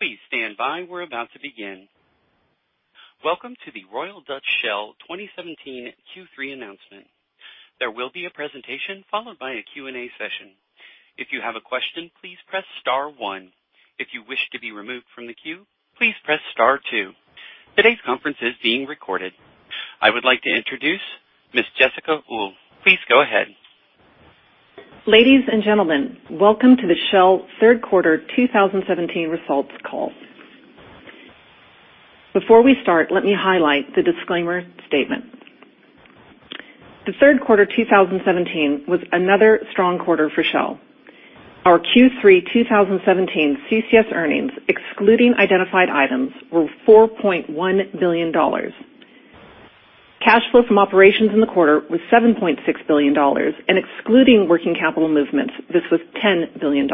Please stand by. We're about to begin. Welcome to the Royal Dutch Shell 2017 Q3 announcement. There will be a presentation followed by a Q&A session. If you have a question, please press star one. If you wish to be removed from the queue, please press star two. Today's conference is being recorded. I would like to introduce Ms. Jessica Uhl. Please go ahead. Ladies and gentlemen, welcome to the Shell third quarter 2017 results call. Before we start, let me highlight the disclaimer statement. The third quarter 2017 was another strong quarter for Shell. Our Q3 2017 CCS earnings, excluding identified items, were $4.1 billion. Cash flow from operations in the quarter was $7.6 billion, and excluding working capital movements, this was $10 billion.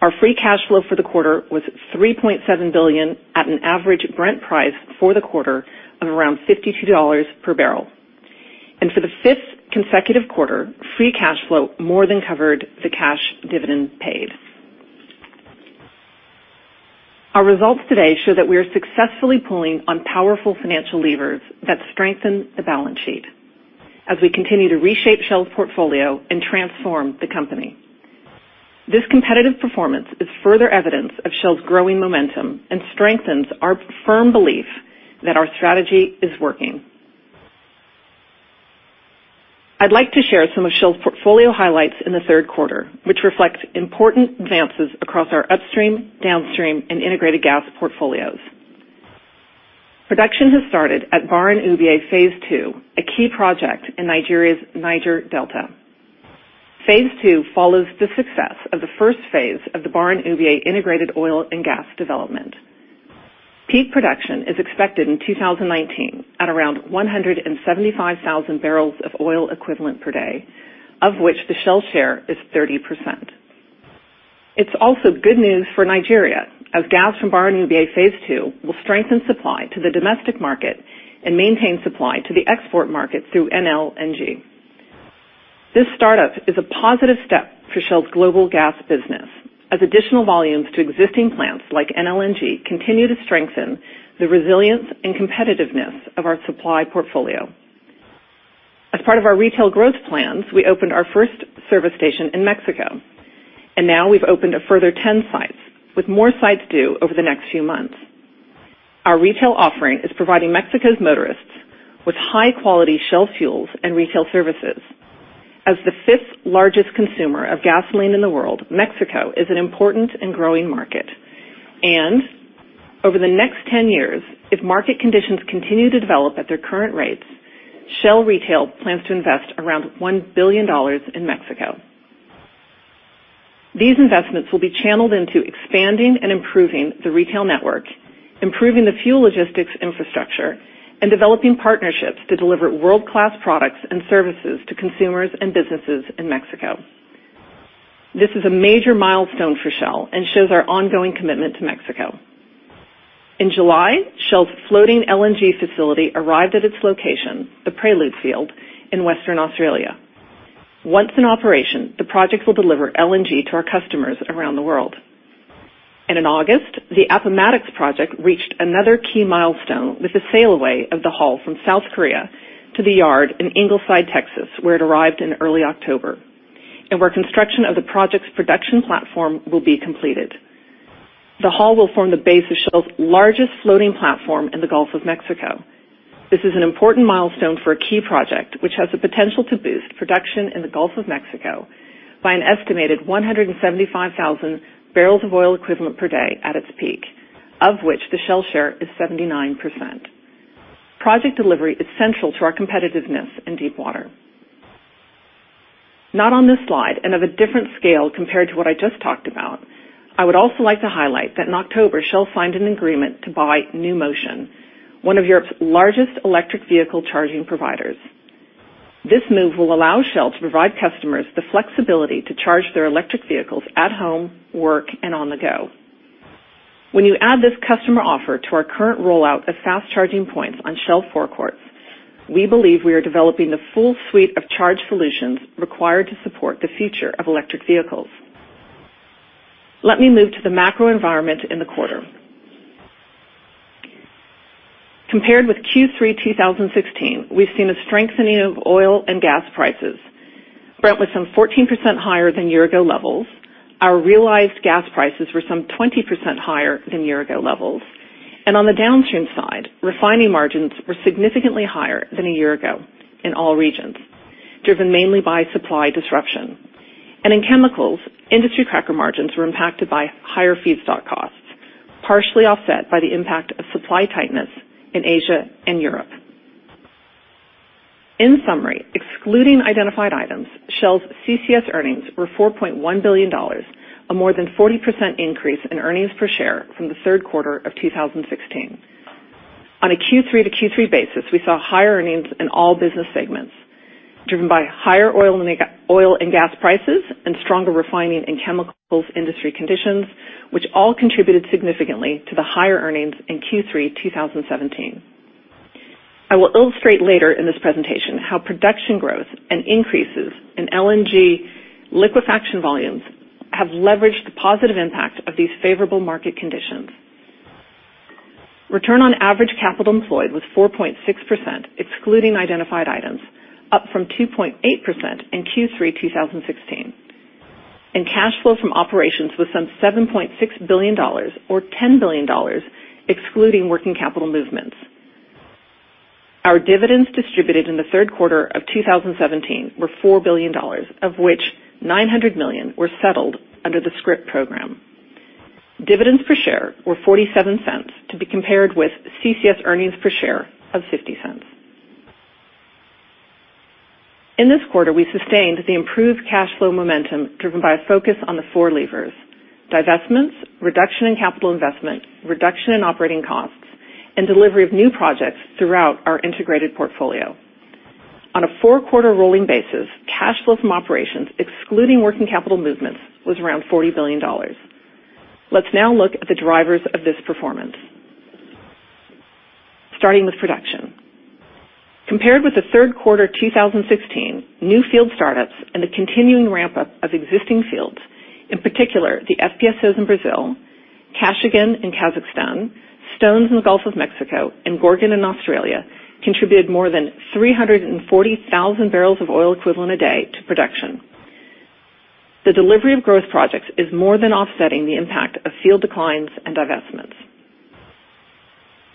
Our free cash flow for the quarter was $3.7 billion at an average Brent price for the quarter of around $52 per barrel. For the fifth consecutive quarter, free cash flow more than covered the cash dividend paid. Our results today show that we are successfully pulling on powerful financial levers that strengthen the balance sheet as we continue to reshape Shell's portfolio and transform the company. This competitive performance is further evidence of Shell's growing momentum and strengthens our firm belief that our strategy is working. I'd like to share some of Shell's portfolio highlights in the third quarter, which reflects important advances across our Upstream, Downstream and Integrated Gas portfolios. Production has started at Gbaran-Ubie phase two, a key project in Nigeria's Niger Delta. Phase two follows the success of the first phase of the Gbaran-Ubie integrated oil and gas development. Peak production is expected in 2019 at around 175,000 barrels of oil equivalent per day, of which the Shell share is 30%. It's also good news for Nigeria, as gas from Gbaran-Ubie phase two will strengthen supply to the domestic market and maintain supply to the export market through NLNG. This startup is a positive step for Shell's global gas business, as additional volumes to existing plants like NLNG continue to strengthen the resilience and competitiveness of our supply portfolio. As part of our retail growth plans, we opened our first service station in Mexico, and now we've opened a further 10 sites, with more sites due over the next few months. Our retail offering is providing Mexico's motorists with high-quality Shell fuels and retail services. As the fifth largest consumer of gasoline in the world, Mexico is an important and growing market. Over the next 10 years, if market conditions continue to develop at their current rates, Shell Retail plans to invest around $1 billion in Mexico. These investments will be channeled into expanding and improving the retail network, improving the fuel logistics infrastructure, and developing partnerships to deliver world-class products and services to consumers and businesses in Mexico. This is a major milestone for Shell and shows our ongoing commitment to Mexico. In July, Shell's floating LNG facility arrived at its location, the Prelude Field in Western Australia. Once in operation, the project will deliver LNG to our customers around the world. In August, the Appomattox project reached another key milestone with the sail away of the hull from South Korea to the yard in Ingleside, Texas, where it arrived in early October and where construction of the project's production platform will be completed. The hull will form the base of Shell's largest floating platform in the Gulf of Mexico. This is an important milestone for a key project, which has the potential to boost production in the Gulf of Mexico by an estimated 175,000 barrels of oil equivalent per day at its peak, of which the Shell share is 79%. Project delivery is central to our competitiveness in deep water. Not on this slide, of a different scale compared to what I just talked about, I would also like to highlight that in October, Shell signed an agreement to buy NewMotion, one of Europe's largest electric vehicle charging providers. This move will allow Shell to provide customers the flexibility to charge their electric vehicles at home, work, and on the go. When you add this customer offer to our current rollout of fast-charging points on Shell forecourts, we believe we are developing the full suite of charge solutions required to support the future of electric vehicles. Let me move to the macro environment in the quarter. Compared with Q3 2016, we've seen a strengthening of oil and gas prices. Brent was some 14% higher than year-ago levels. Our realized gas prices were some 20% higher than year-ago levels. On the downstream side, refining margins were significantly higher than a year ago in all regions, driven mainly by supply disruption. In chemicals, industry cracker margins were impacted by higher feedstock costs, partially offset by the impact of supply tightness in Asia and Europe. In summary, excluding identified items, Shell's CCS earnings were $4.1 billion, a more than 40% increase in earnings per share from the third quarter of 2016. On a Q3 to Q3 basis, we saw higher earnings in all business segments, driven by higher oil and gas prices and stronger refining and chemicals industry conditions, which all contributed significantly to the higher earnings in Q3 2017. I will illustrate later in this presentation how production growth and increases in LNG liquefaction volumes have leveraged the positive impact of these favorable market conditions. Return on average capital employed was 4.6%, excluding identified items, up from 2.8% in Q3 2016. Cash flow from operations was some $7.6 billion or $10 billion excluding working capital movements. Our dividends distributed in the third quarter of 2017 were $4 billion, of which $900 million were settled under the scrip program. Dividends per share were $0.47 to be compared with CCS earnings per share of $0.50. In this quarter, we sustained the improved cash flow momentum driven by a focus on the four levers: divestments, reduction in capital investment, reduction in operating costs, and delivery of new projects throughout our integrated portfolio. On a four-quarter rolling basis, cash flow from operations, excluding working capital movements, was around $40 billion. Let's now look at the drivers of this performance. Starting with production. Compared with the third quarter 2016, new field startups and the continuing ramp-up of existing fields, in particular the FPSOs in Brazil, Kashagan in Kazakhstan, Stones in the Gulf of Mexico, and Gorgon in Australia, contributed more than 340,000 barrels of oil equivalent a day to production. The delivery of growth projects is more than offsetting the impact of field declines and divestments.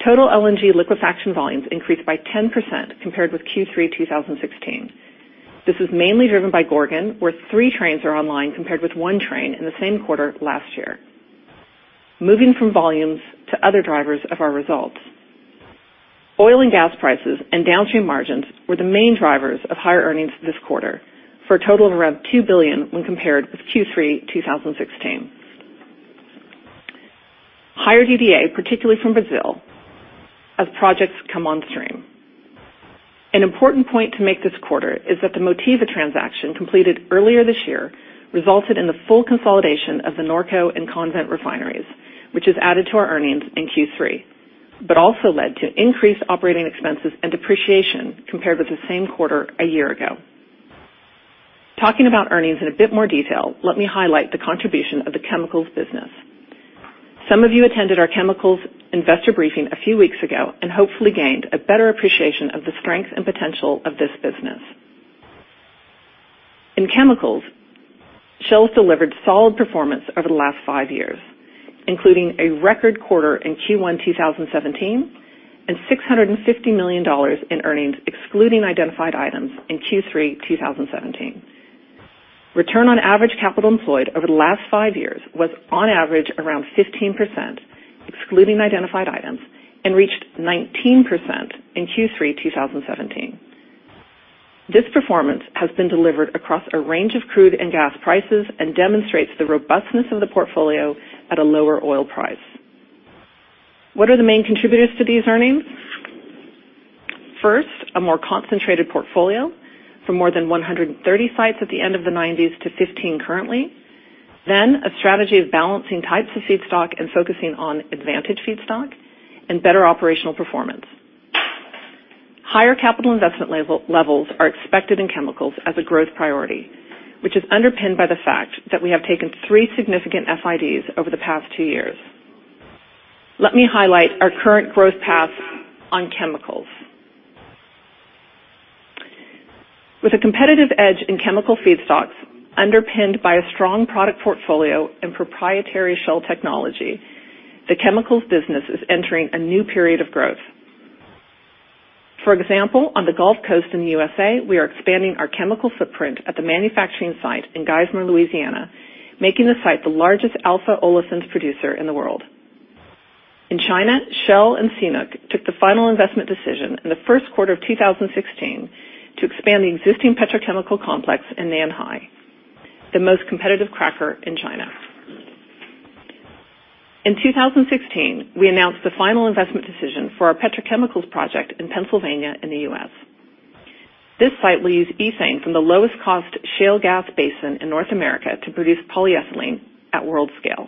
Total LNG liquefaction volumes increased by 10% compared with Q3 2016. This was mainly driven by Gorgon, where three trains are online compared with one train in the same quarter last year. Moving from volumes to other drivers of our results. Oil and gas prices and downstream margins were the main drivers of higher earnings this quarter, for a total of around $2 billion when compared with Q3 2016. Higher DDA, particularly from Brazil, as projects come on stream. An important point to make this quarter is that the Motiva transaction completed earlier this year, resulted in the full consolidation of the Norco and Convent refineries, which has added to our earnings in Q3, but also led to increased operating expenses and depreciation compared with the same quarter a year ago. Talking about earnings in a bit more detail, let me highlight the contribution of the chemicals business. Some of you attended our chemicals investor briefing a few weeks ago and hopefully gained a better appreciation of the strength and potential of this business. In chemicals, Shell delivered solid performance over the last five years, including a record quarter in Q1 2017 and $650 million in earnings excluding identified items in Q3 2017. Return on average capital employed over the last five years was on average around 15%, excluding identified items, and reached 19% in Q3 2017. This performance has been delivered across a range of crude and gas prices and demonstrates the robustness of the portfolio at a lower oil price. What are the main contributors to these earnings? First, a more concentrated portfolio for more than 130 sites at the end of the nineties to 15 currently. A strategy of balancing types of feedstock and focusing on advantage feedstock and better operational performance. Higher capital investment levels are expected in chemicals as a growth priority, which is underpinned by the fact that we have taken three significant FIDs over the past two years. Let me highlight our current growth path on chemicals. With a competitive edge in chemical feedstocks underpinned by a strong product portfolio and proprietary Shell technology, the chemicals business is entering a new period of growth. For example, on the Gulf Coast in the USA, we are expanding our chemical footprint at the manufacturing site in Geismar, Louisiana, making the site the largest alpha-olefins producer in the world. In China, Shell and CNOOC took the final investment decision in the first quarter of 2016 to expand the existing petrochemical complex in Nanhai, the most competitive cracker in China. In 2016, we announced the final investment decision for our petrochemicals project in Pennsylvania in the U.S. This site will use ethane from the lowest cost shale gas basin in North America to produce polyethylene at world scale.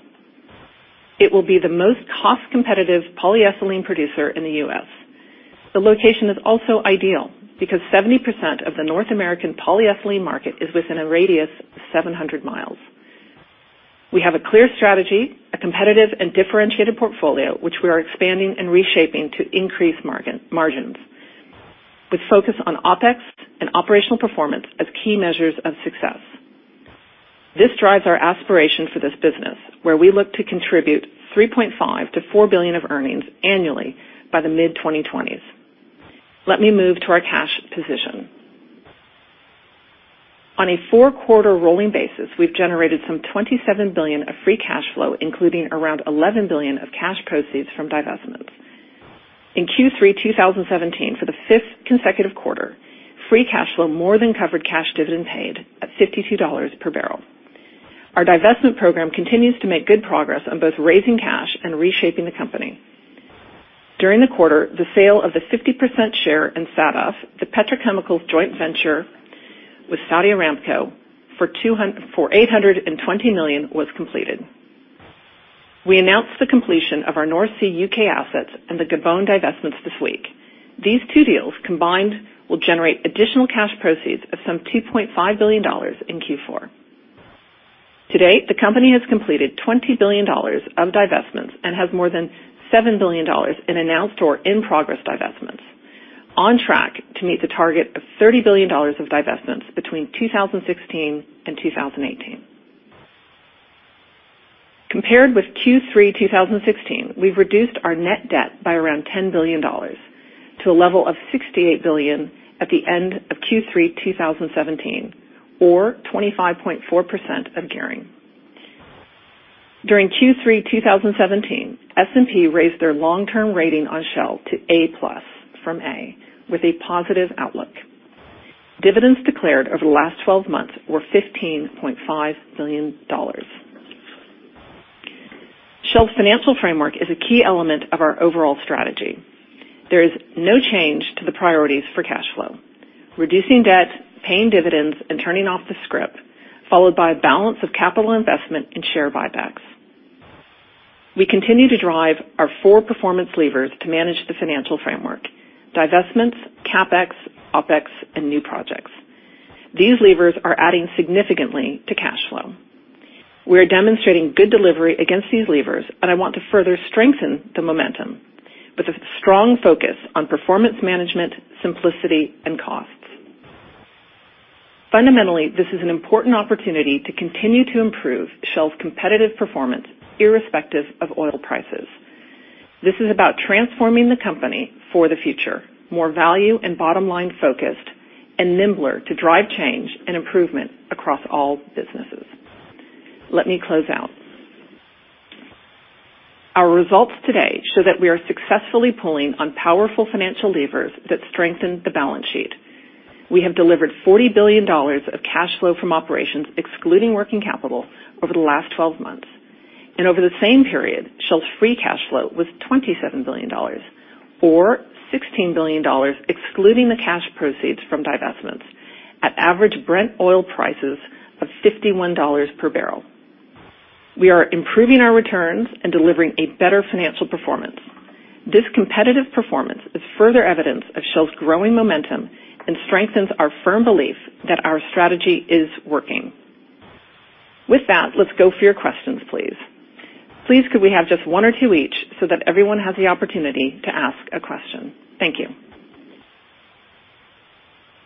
It will be the most cost-competitive polyethylene producer in the U.S. The location is also ideal because 70% of the North American polyethylene market is within a radius of 700 miles. We have a clear strategy, a competitive and differentiated portfolio, which we are expanding and reshaping to increase margins, with focus on OpEx and operational performance as key measures of success. This drives our aspiration for this business, where we look to contribute $3.5 billion-$4 billion of earnings annually by the mid-2020s. Let me move to our cash position. On a four-quarter rolling basis, we've generated some $27 billion of free cash flow, including around $11 billion of cash proceeds from divestments. In Q3 2017, for the fifth consecutive quarter, free cash flow more than covered cash dividend paid at $52 per barrel. Our divestment program continues to make good progress on both raising cash and reshaping the company. During the quarter, the sale of the 50% share in Sadara, the petrochemicals joint venture with Saudi Aramco for $820 million was completed. We announced the completion of our North Sea U.K. assets and the Gabon divestments this week. These two deals combined will generate additional cash proceeds of some $2.5 billion in Q4. To date, the company has completed $20 billion of divestments and has more than $7 billion in announced or in-progress divestments, on track to meet the target of $30 billion of divestments between 2016 and 2018. Compared with Q3 2016, we've reduced our net debt by around $10 billion to a level of $68 billion at the end of Q3 2017, or 25.4% of gearing. During Q3 2017, S&P raised their long-term rating on Shell to A+ from A, with a positive outlook. Dividends declared over the last 12 months were $15.5 billion. Shell's financial framework is a key element of our overall strategy. There is no change to the priorities for cash flow. Reducing debt, paying dividends, turning off the scrip, followed by a balance of capital investment and share buybacks. We continue to drive our four performance levers to manage the financial framework, divestments, CapEx, OpEx, and new projects. These levers are adding significantly to cash flow. We're demonstrating good delivery against these levers. I want to further strengthen the momentum with a strong focus on performance management, simplicity, and costs. Fundamentally, this is an important opportunity to continue to improve Shell's competitive performance, irrespective of oil prices. This is about transforming the company for the future, more value and bottom-line focused, nimbler to drive change and improvement across all businesses. Let me close out. Our results today show that we are successfully pulling on powerful financial levers that strengthen the balance sheet. We have delivered $40 billion of cash flow from operations, excluding working capital over the last 12 months. Over the same period, Shell's free cash flow was $27 billion, or $16 billion, excluding the cash proceeds from divestments at average Brent oil prices of $51 per barrel. We are improving our returns and delivering a better financial performance. This competitive performance is further evidence of Shell's growing momentum and strengthens our firm belief that our strategy is working. With that, let's go for your questions, please. Please, could we have just one or two each so that everyone has the opportunity to ask a question? Thank you.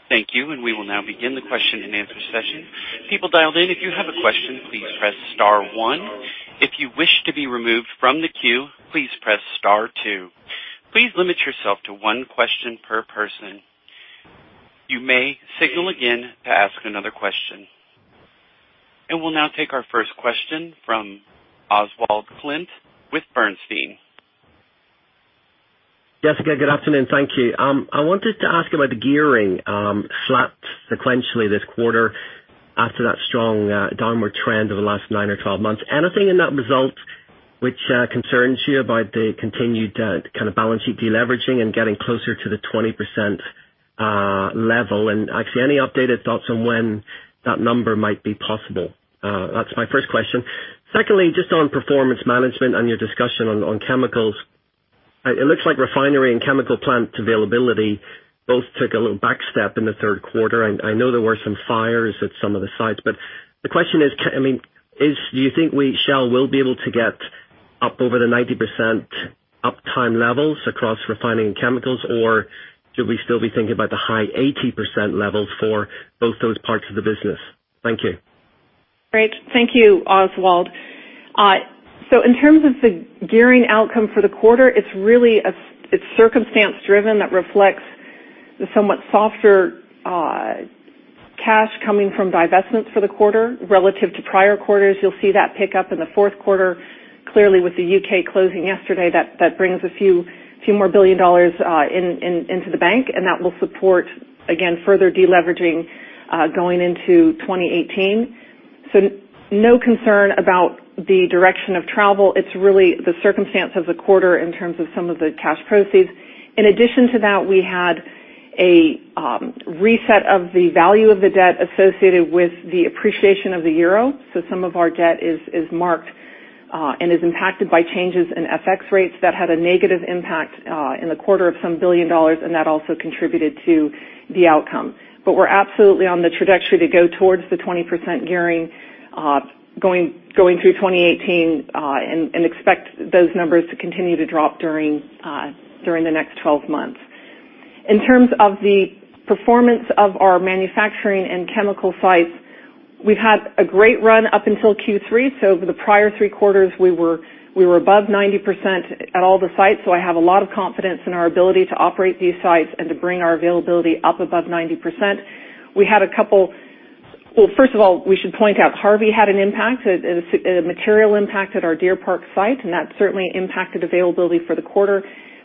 Thank you. We will now begin the question-and-answer session. People dialed in, if you have a question, please press star one. If you wish to be removed from the queue, please press star two. Please limit yourself to one question per person. You may signal again to ask another question. We'll now take our first question from Oswald Clint with Bernstein. Jessica, good afternoon. Thank you. I wanted to ask about the gearing, flat sequentially this quarter after that strong downward trend over the last nine or 12 months. Anything in that result which concerns you about the continued kind of balance sheet deleveraging and getting closer to the 20% level? Actually, any updated thoughts on when that number might be possible? That's my first question. Secondly, just on performance management and your discussion on chemicals, it looks like refinery and chemical plant availability both took a little back step in the third quarter. I know there were some fires at some of the sites, but the question is, do you think Shell will be able to get up over the 90% uptime levels across refining chemicals, or should we still be thinking about the high 80% levels for both those parts of the business? Thank you. Great. Thank you, Oswald. In terms of the gearing outcome for the quarter, it's circumstance driven that reflects the somewhat softer cash coming from divestments for the quarter relative to prior quarters. You'll see that pick up in the fourth quarter. Clearly, with the U.K. closing yesterday, that brings a few more billion dollars into the bank. That will support, again, further deleveraging going into 2018. No concern about the direction of travel. It's really the circumstance of the quarter in terms of some of the cash proceeds. In addition to that, we had a reset of the value of the debt associated with the appreciation of the euro. Some of our debt is marked and is impacted by changes in FX rates that had a negative impact in the quarter of some billion dollars. That also contributed to the outcome. We're absolutely on the trajectory to go towards the 20% gearing going through 2018 and expect those numbers to continue to drop during the next 12 months. In terms of the performance of our manufacturing and chemical sites, we've had a great run up until Q3. For the prior three quarters, we were above 90% at all the sites. I have a lot of confidence in our ability to operate these sites and to bring our availability up above 90%. Well, first of all, we should point out, Harvey had an impact, a material impact at our Deer Park site. That certainly impacted availability for the quarter.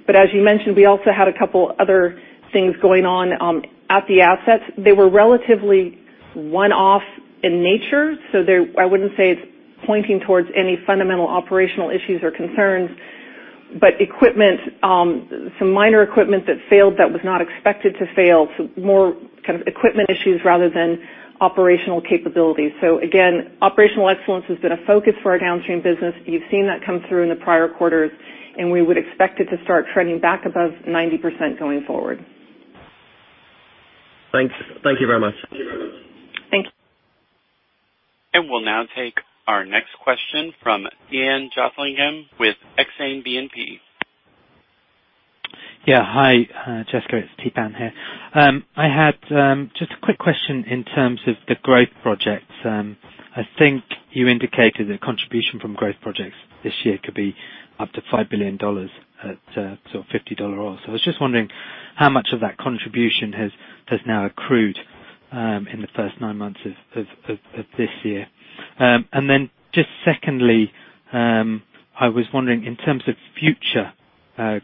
As you mentioned, we also had a couple other things going on at the assets. They were relatively one-off in nature, so I wouldn't say it's pointing towards any fundamental operational issues or concerns. Some minor equipment that failed that was not expected to fail. More kind of equipment issues rather than operational capabilities. Again, operational excellence has been a focus for our downstream business. You've seen that come through in the prior quarters, and we would expect it to start trending back above 90% going forward. Thanks. Thank you very much. Thank you. We'll now take our next question from Theepan Jothilingam with Exane BNP. Hi, Jessica. It's Tapan here. I had just a quick question in terms of the growth projects. I think you indicated a contribution from growth projects this year could be up to $5 billion at sort of $50 oil. I was just wondering how much of that contribution has now accrued in the first nine months of this year. Just secondly, I was wondering, in terms of future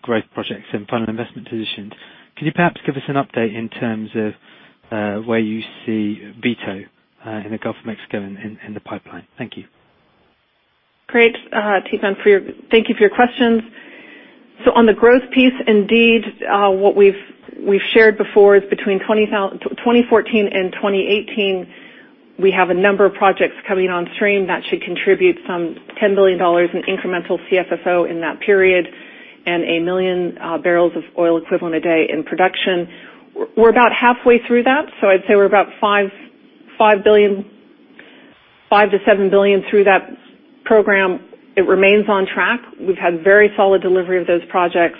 growth projects and final investment positions, can you perhaps give us an update in terms of where you see Vito in the Gulf of Mexico and the pipeline? Thank you. Great. Tapan, thank you for your questions. On the growth piece, indeed, what we've shared before is between 2014 and 2018, we have a number of projects coming on stream that should contribute some $10 billion in incremental CFFO in that period and a million barrels of oil equivalent a day in production. We're about halfway through that, I'd say we're about $5 billion-$7 billion through that program. It remains on track. We've had very solid delivery of those projects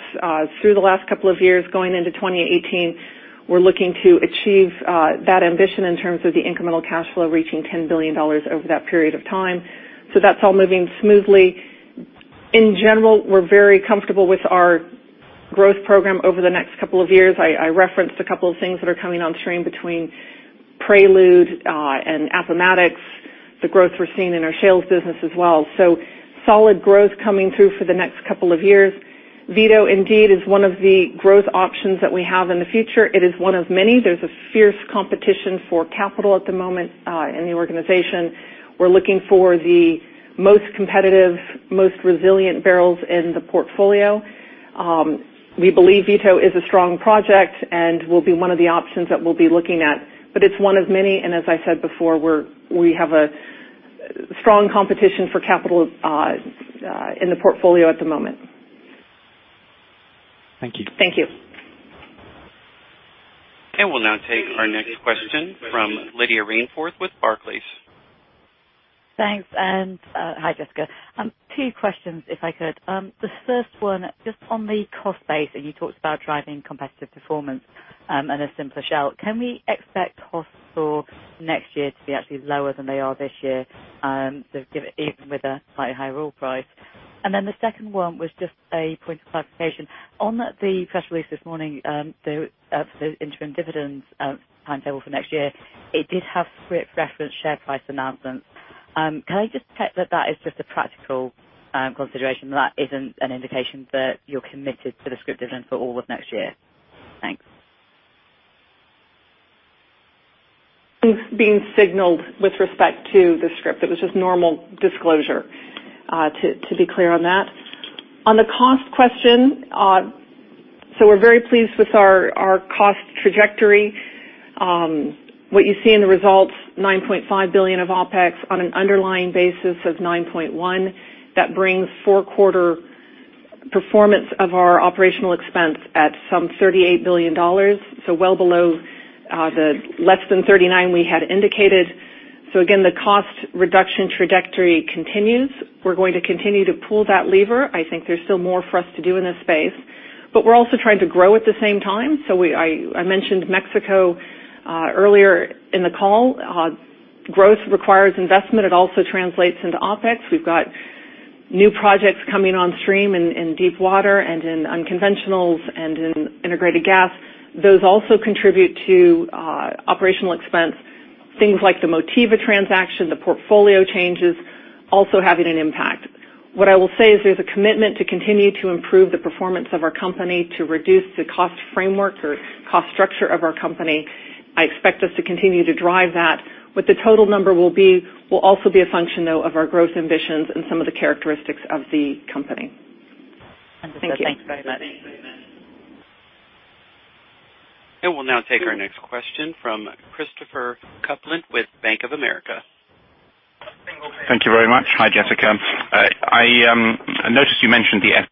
through the last couple of years. Going into 2018, we're looking to achieve that ambition in terms of the incremental cash flow reaching $10 billion over that period of time. That's all moving smoothly. In general, we're very comfortable with our growth program over the next couple of years. I referenced a couple of things that are coming on stream between Prelude and Appomattox, the growth we're seeing in our sales business as well. Solid growth coming through for the next couple of years. Vito, indeed, is one of the growth options that we have in the future. It is one of many. There's a fierce competition for capital at the moment in the organization. We're looking for the most competitive, most resilient barrels in the portfolio. We believe Vito is a strong project and will be one of the options that we'll be looking at, but it's one of many, as I said before, we have a strong competition for capital in the portfolio at the moment. Thank you. Thank you. We'll now take our next question from Lydia Rainforth with Barclays. Thanks, hi, Jessica. Two questions, if I could. The first one, just on the cost base, you talked about driving competitive performance and a simpler Shell. Can we expect costs for next year to be actually lower than they are this year, even with a slightly higher oil price? The second one was just a point of clarification. On the press release this morning, the interim dividends timetable for next year, it did have scrip reference share price announcements. Can I just check that that is just a practical consideration, that isn't an indication that you're committed to the scrip dividend for all of next year? Thanks. Being signaled with respect to the scrip. It was just normal disclosure to be clear on that. On the cost question, we're very pleased with our cost trajectory. What you see in the results, $9.5 billion of OpEx on an underlying basis of $9.1 billion. That brings four quarter performance of our operational expense at some $38 billion. Well below the less than $39 billion we had indicated. Again, the cost reduction trajectory continues. We're going to continue to pull that lever. I think there's still more for us to do in this space, we're also trying to grow at the same time. I mentioned Mexico earlier in the call. Growth requires investment. It also translates into OpEx. We've got new projects coming on stream in deep water and in unconventionals and in integrated gas. Those also contribute to operational expense, things like the Motiva transaction, the portfolio changes also having an impact. What I will say is there's a commitment to continue to improve the performance of our company to reduce the cost framework or cost structure of our company. I expect us to continue to drive that. What the total number will be will also be a function, though, of our growth ambitions and some of the characteristics of the company. Understood. Thanks very much. Thank you. We'll now take our next question from Christopher Kuplent with Bank of America. Thank you very much. Hi, Jessica. I noticed you mentioned the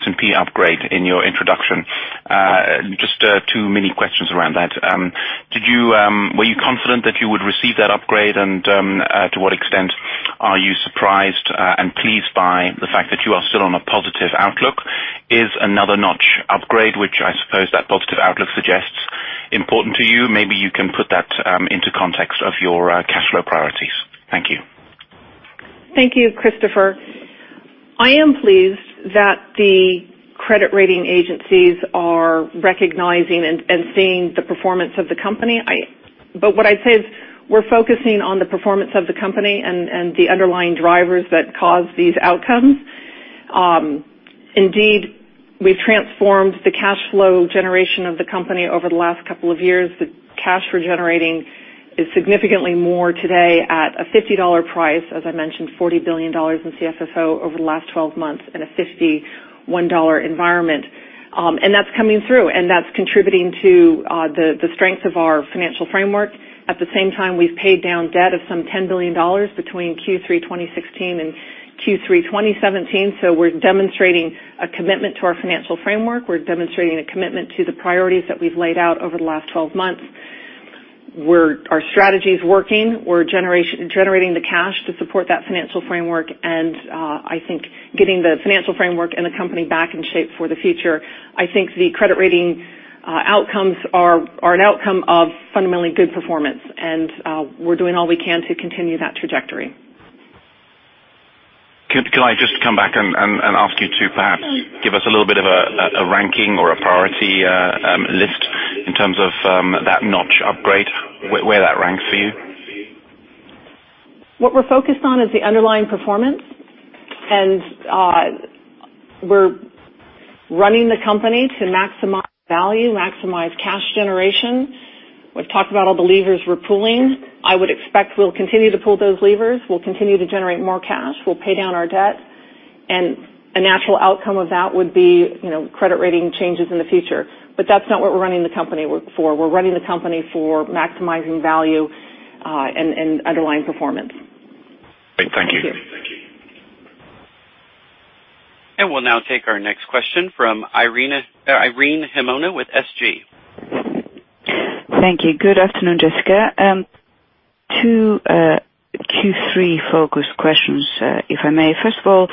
S&P upgrade in your introduction. Just two mini questions around that. Were you confident that you would receive that upgrade, and to what extent are you surprised and pleased by the fact that you are still on a positive outlook? Is another notch upgrade, which I suppose that positive outlook suggests, important to you? Maybe you can put that into context of your cash flow priorities. Thank you. Thank you, Christopher. I am pleased that the credit rating agencies are recognizing and seeing the performance of the company. What I'd say is we're focusing on the performance of the company and the underlying drivers that cause these outcomes. Indeed, we've transformed the cash flow generation of the company over the last couple of years. The cash we're generating is significantly more today at a $50 price, as I mentioned, $40 billion in CFFO over the last 12 months in a $51 environment. That's coming through, and that's contributing to the strength of our financial framework. At the same time, we've paid down debt of some $10 billion between Q3 2016 and Q3 2017. We're demonstrating a commitment to our financial framework. We're demonstrating a commitment to the priorities that we've laid out over the last 12 months. Our strategy is working. We're generating the cash to support that financial framework and I think getting the financial framework and the company back in shape for the future. I think the credit rating outcomes are an outcome of fundamentally good performance, and we're doing all we can to continue that trajectory. Can I just come back and ask you to perhaps give us a little bit of a ranking or a priority list in terms of that notch upgrade, where that ranks for you? What we're focused on is the underlying performance, we're running the company to maximize value, maximize cash generation. We've talked about all the levers we're pulling. I would expect we'll continue to pull those levers. We'll continue to generate more cash. We'll pay down our debt. A natural outcome of that would be credit rating changes in the future. That's not what we're running the company for. We're running the company for maximizing value and underlying performance. Great. Thank you. Thank you. We'll now take our next question from Irene Himona with SG. Thank you. Good afternoon, Jessica. 2 Q3 focus questions, if I may. First of all,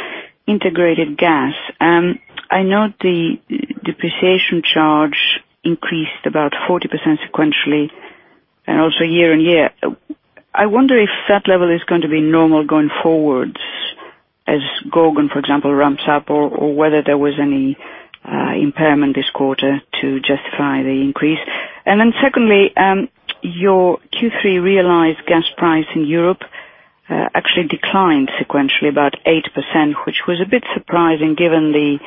integrated gas. I note the depreciation charge increased about 40% sequentially and also year-on-year. I wonder if that level is going to be normal going forward, as Gorgon, for example, ramps up, or whether there was any impairment this quarter to justify the increase. Secondly, your Q3 realized gas price in Europe actually declined sequentially about 8%, which was a bit surprising given the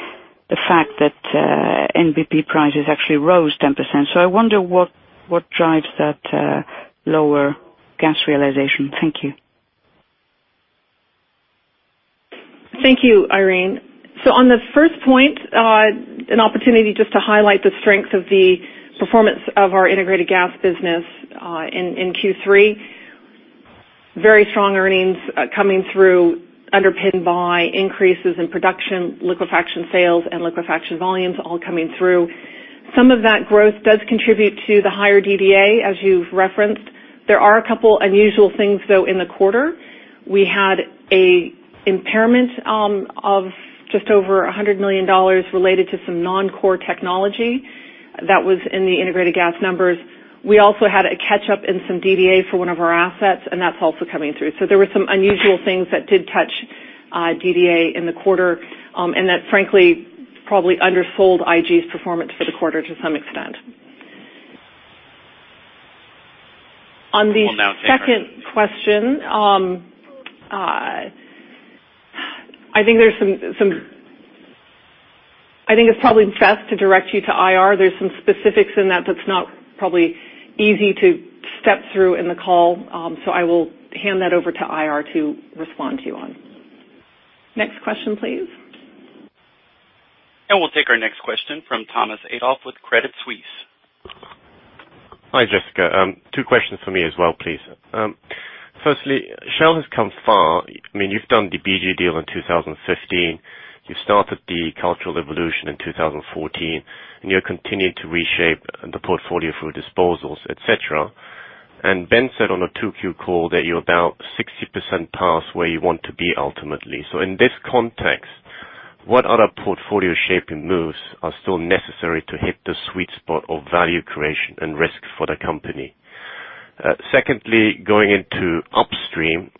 fact that NBP prices actually rose 10%. I wonder what drives that lower gas realization. Thank you. Thank you, Irene. On the first point, an opportunity just to highlight the strength of the performance of our integrated gas business in Q3. Very strong earnings coming through, underpinned by increases in production, liquefaction sales, and liquefaction volumes all coming through. Some of that growth does contribute to the higher DDA, as you've referenced. There are 2 unusual things, though, in the quarter. We had an impairment of just over $100 million related to some non-core technology that was in the integrated gas numbers. We also had a catch-up in some DDA for one of our assets, and that's also coming through. There were some unusual things that did touch DDA in the quarter, and that frankly probably under sold IG's performance for the quarter to some extent. On the second question, I think it's probably best to direct you to IR. There's some specifics in that that's not probably easy to step through in the call. I will hand that over to IR to respond to you on. Next question, please. We'll take our next question from Thomas Adolff with Credit Suisse. Hi, Jessica. Two questions for me as well, please. Firstly, Shell has come far. You've done the BG deal in 2015. You started the cultural revolution in 2014, and you're continuing to reshape the portfolio for disposals, et cetera. Ben said on a 2Q call that you're about 60% past where you want to be ultimately. In this context, what other portfolio shaping moves are still necessary to hit the sweet spot of value creation and risk for the company? Secondly, going into Upstream,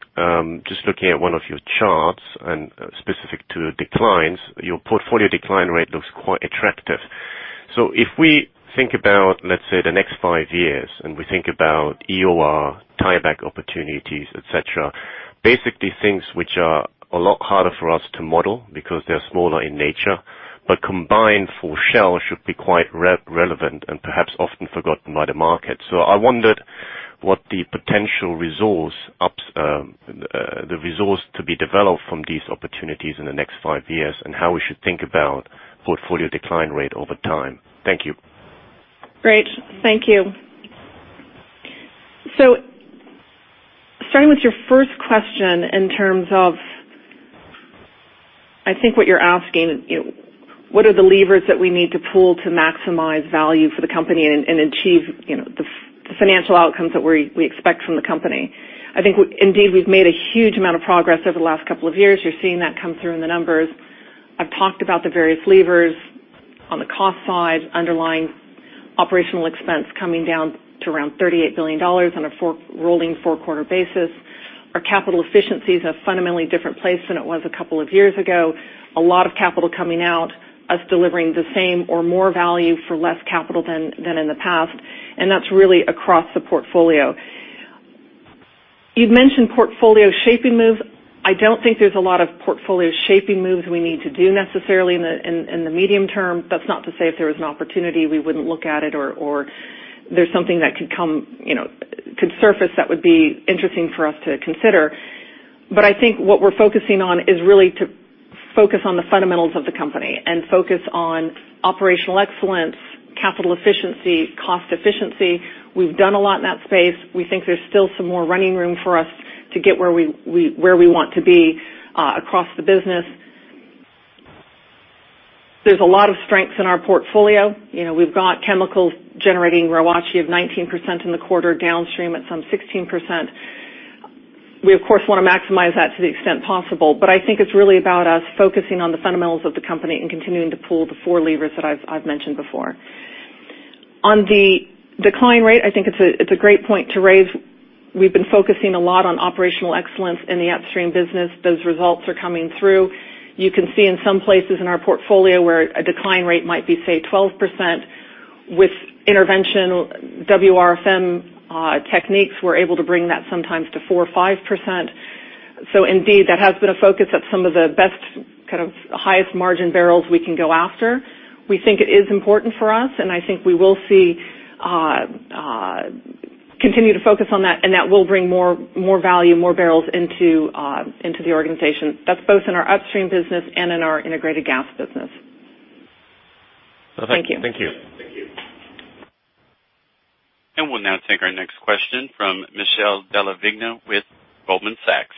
just looking at one of your charts and specific to declines, your portfolio decline rate looks quite attractive. If we think about, let's say, the next five years, and we think about EOR tieback opportunities, et cetera, basically things which are a lot harder for us to model because they're smaller in nature, but combined for Shell should be quite relevant and perhaps often forgotten by the market. I wondered what the potential resource to be developed from these opportunities in the next five years and how we should think about portfolio decline rate over time. Thank you. Great. Thank you. Starting with your first question in terms of, I think what you're asking, what are the levers that we need to pull to maximize value for the company and achieve the financial outcomes that we expect from the company? I think indeed, we've made a huge amount of progress over the last couple of years. You're seeing that come through in the numbers. I've talked about the various levers on the cost side, underlying operational expense coming down to around $38 billion on a rolling four-quarter basis. Our capital efficiency is a fundamentally different place than it was a couple of years ago. A lot of capital coming out, us delivering the same or more value for less capital than in the past, and that's really across the portfolio. You've mentioned portfolio shaping moves. I don't think there's a lot of portfolio shaping moves we need to do necessarily in the medium term. That's not to say if there was an opportunity, we wouldn't look at it or there's something that could surface that would be interesting for us to consider. I think what we're focusing on is really to focus on the fundamentals of the company and focus on operational excellence, capital efficiency, cost efficiency. We've done a lot in that space. We think there's still some more running room for us to get where we want to be across the business. There's a lot of strengths in our portfolio. We've got chemicals generating ROACE of 19% in the quarter, Downstream at some 16%. We, of course, want to maximize that to the extent possible, I think it's really about us focusing on the fundamentals of the company and continuing to pull the four levers that I've mentioned before. On the decline rate, I think it's a great point to raise. We've been focusing a lot on operational excellence in the upstream business. Those results are coming through. You can see in some places in our portfolio where a decline rate might be, say, 12%. With intervention WRFM techniques, we're able to bring that sometimes to 4% or 5%. Indeed, that has been a focus at some of the best, highest margin barrels we can go after. We think it is important for us, and I think we will continue to focus on that, and that will bring more value, more barrels into the organization. That's both in our upstream business and in our integrated gas business. Perfect. Thank you. Thank you. We'll now take our next question from Michele Della Vigna with Goldman Sachs.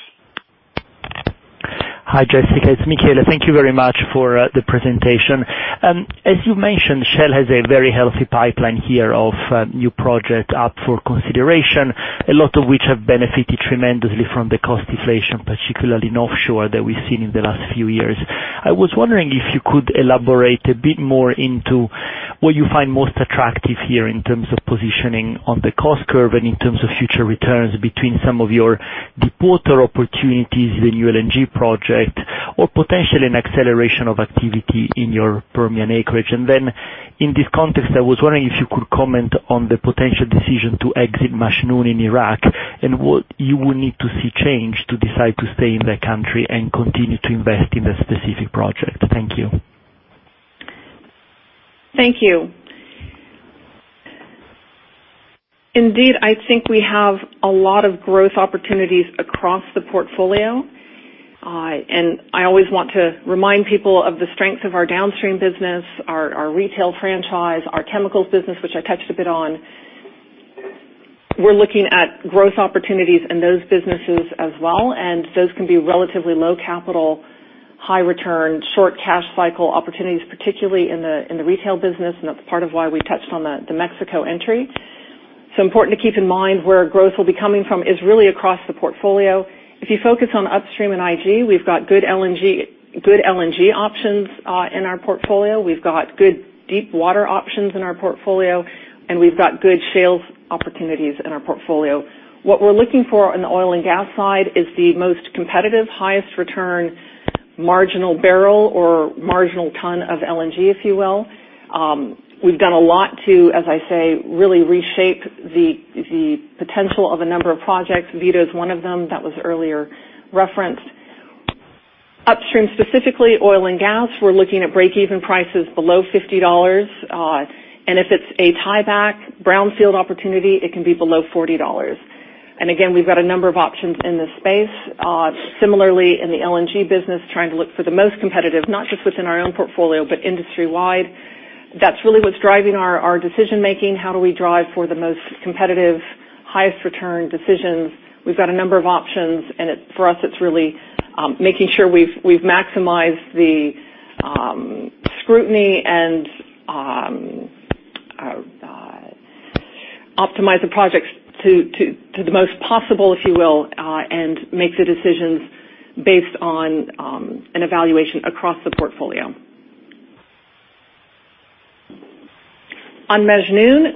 Hi, Jessica. It's Michele. Thank you very much for the presentation. As you mentioned, Shell has a very healthy pipeline here of new projects up for consideration, a lot of which have benefited tremendously from the cost deflation, particularly in offshore, that we've seen in the last few years. I was wondering if you could elaborate a bit more into what you find most attractive here in terms of positioning on the cost curve and in terms of future returns between some of your deepwater opportunities, the new LNG project, or potentially an acceleration of activity in your Permian acreage. Then in this context, I was wondering if you could comment on the potential decision to exit Majnoon in Iraq, and what you would need to see change to decide to stay in that country and continue to invest in that specific project. Thank you. Thank you. Indeed, I think we have a lot of growth opportunities across the portfolio. I always want to remind people of the strength of our downstream business, our retail franchise, our chemicals business, which I touched a bit on. We're looking at growth opportunities in those businesses as well, and those can be relatively low capital, high return, short cash cycle opportunities, particularly in the retail business, and that's part of why we touched on the Mexico entry. Important to keep in mind where growth will be coming from is really across the portfolio. If you focus on upstream and IG, we've got good LNG options in our portfolio. We've got good deepwater options in our portfolio, and we've got good sales opportunities in our portfolio. What we're looking for on the oil and gas side is the most competitive, highest return, marginal barrel or marginal ton of LNG, if you will. We've done a lot to, as I say, really reshape the potential of a number of projects. Vito is one of them. That was earlier referenced. Upstream, specifically oil and gas, we're looking at break-even prices below $50. If it's a tieback brownfield opportunity, it can be below $40. Again, we've got a number of options in this space. Similarly, in the LNG business, trying to look for the most competitive, not just within our own portfolio, but industry-wide. That's really what's driving our decision-making. How do we drive for the most competitive, highest return decisions? We've got a number of options. For us, it's really making sure we've maximized the scrutiny and optimized the projects to the most possible, if you will. Make the decisions based on an evaluation across the portfolio. On Majnoon,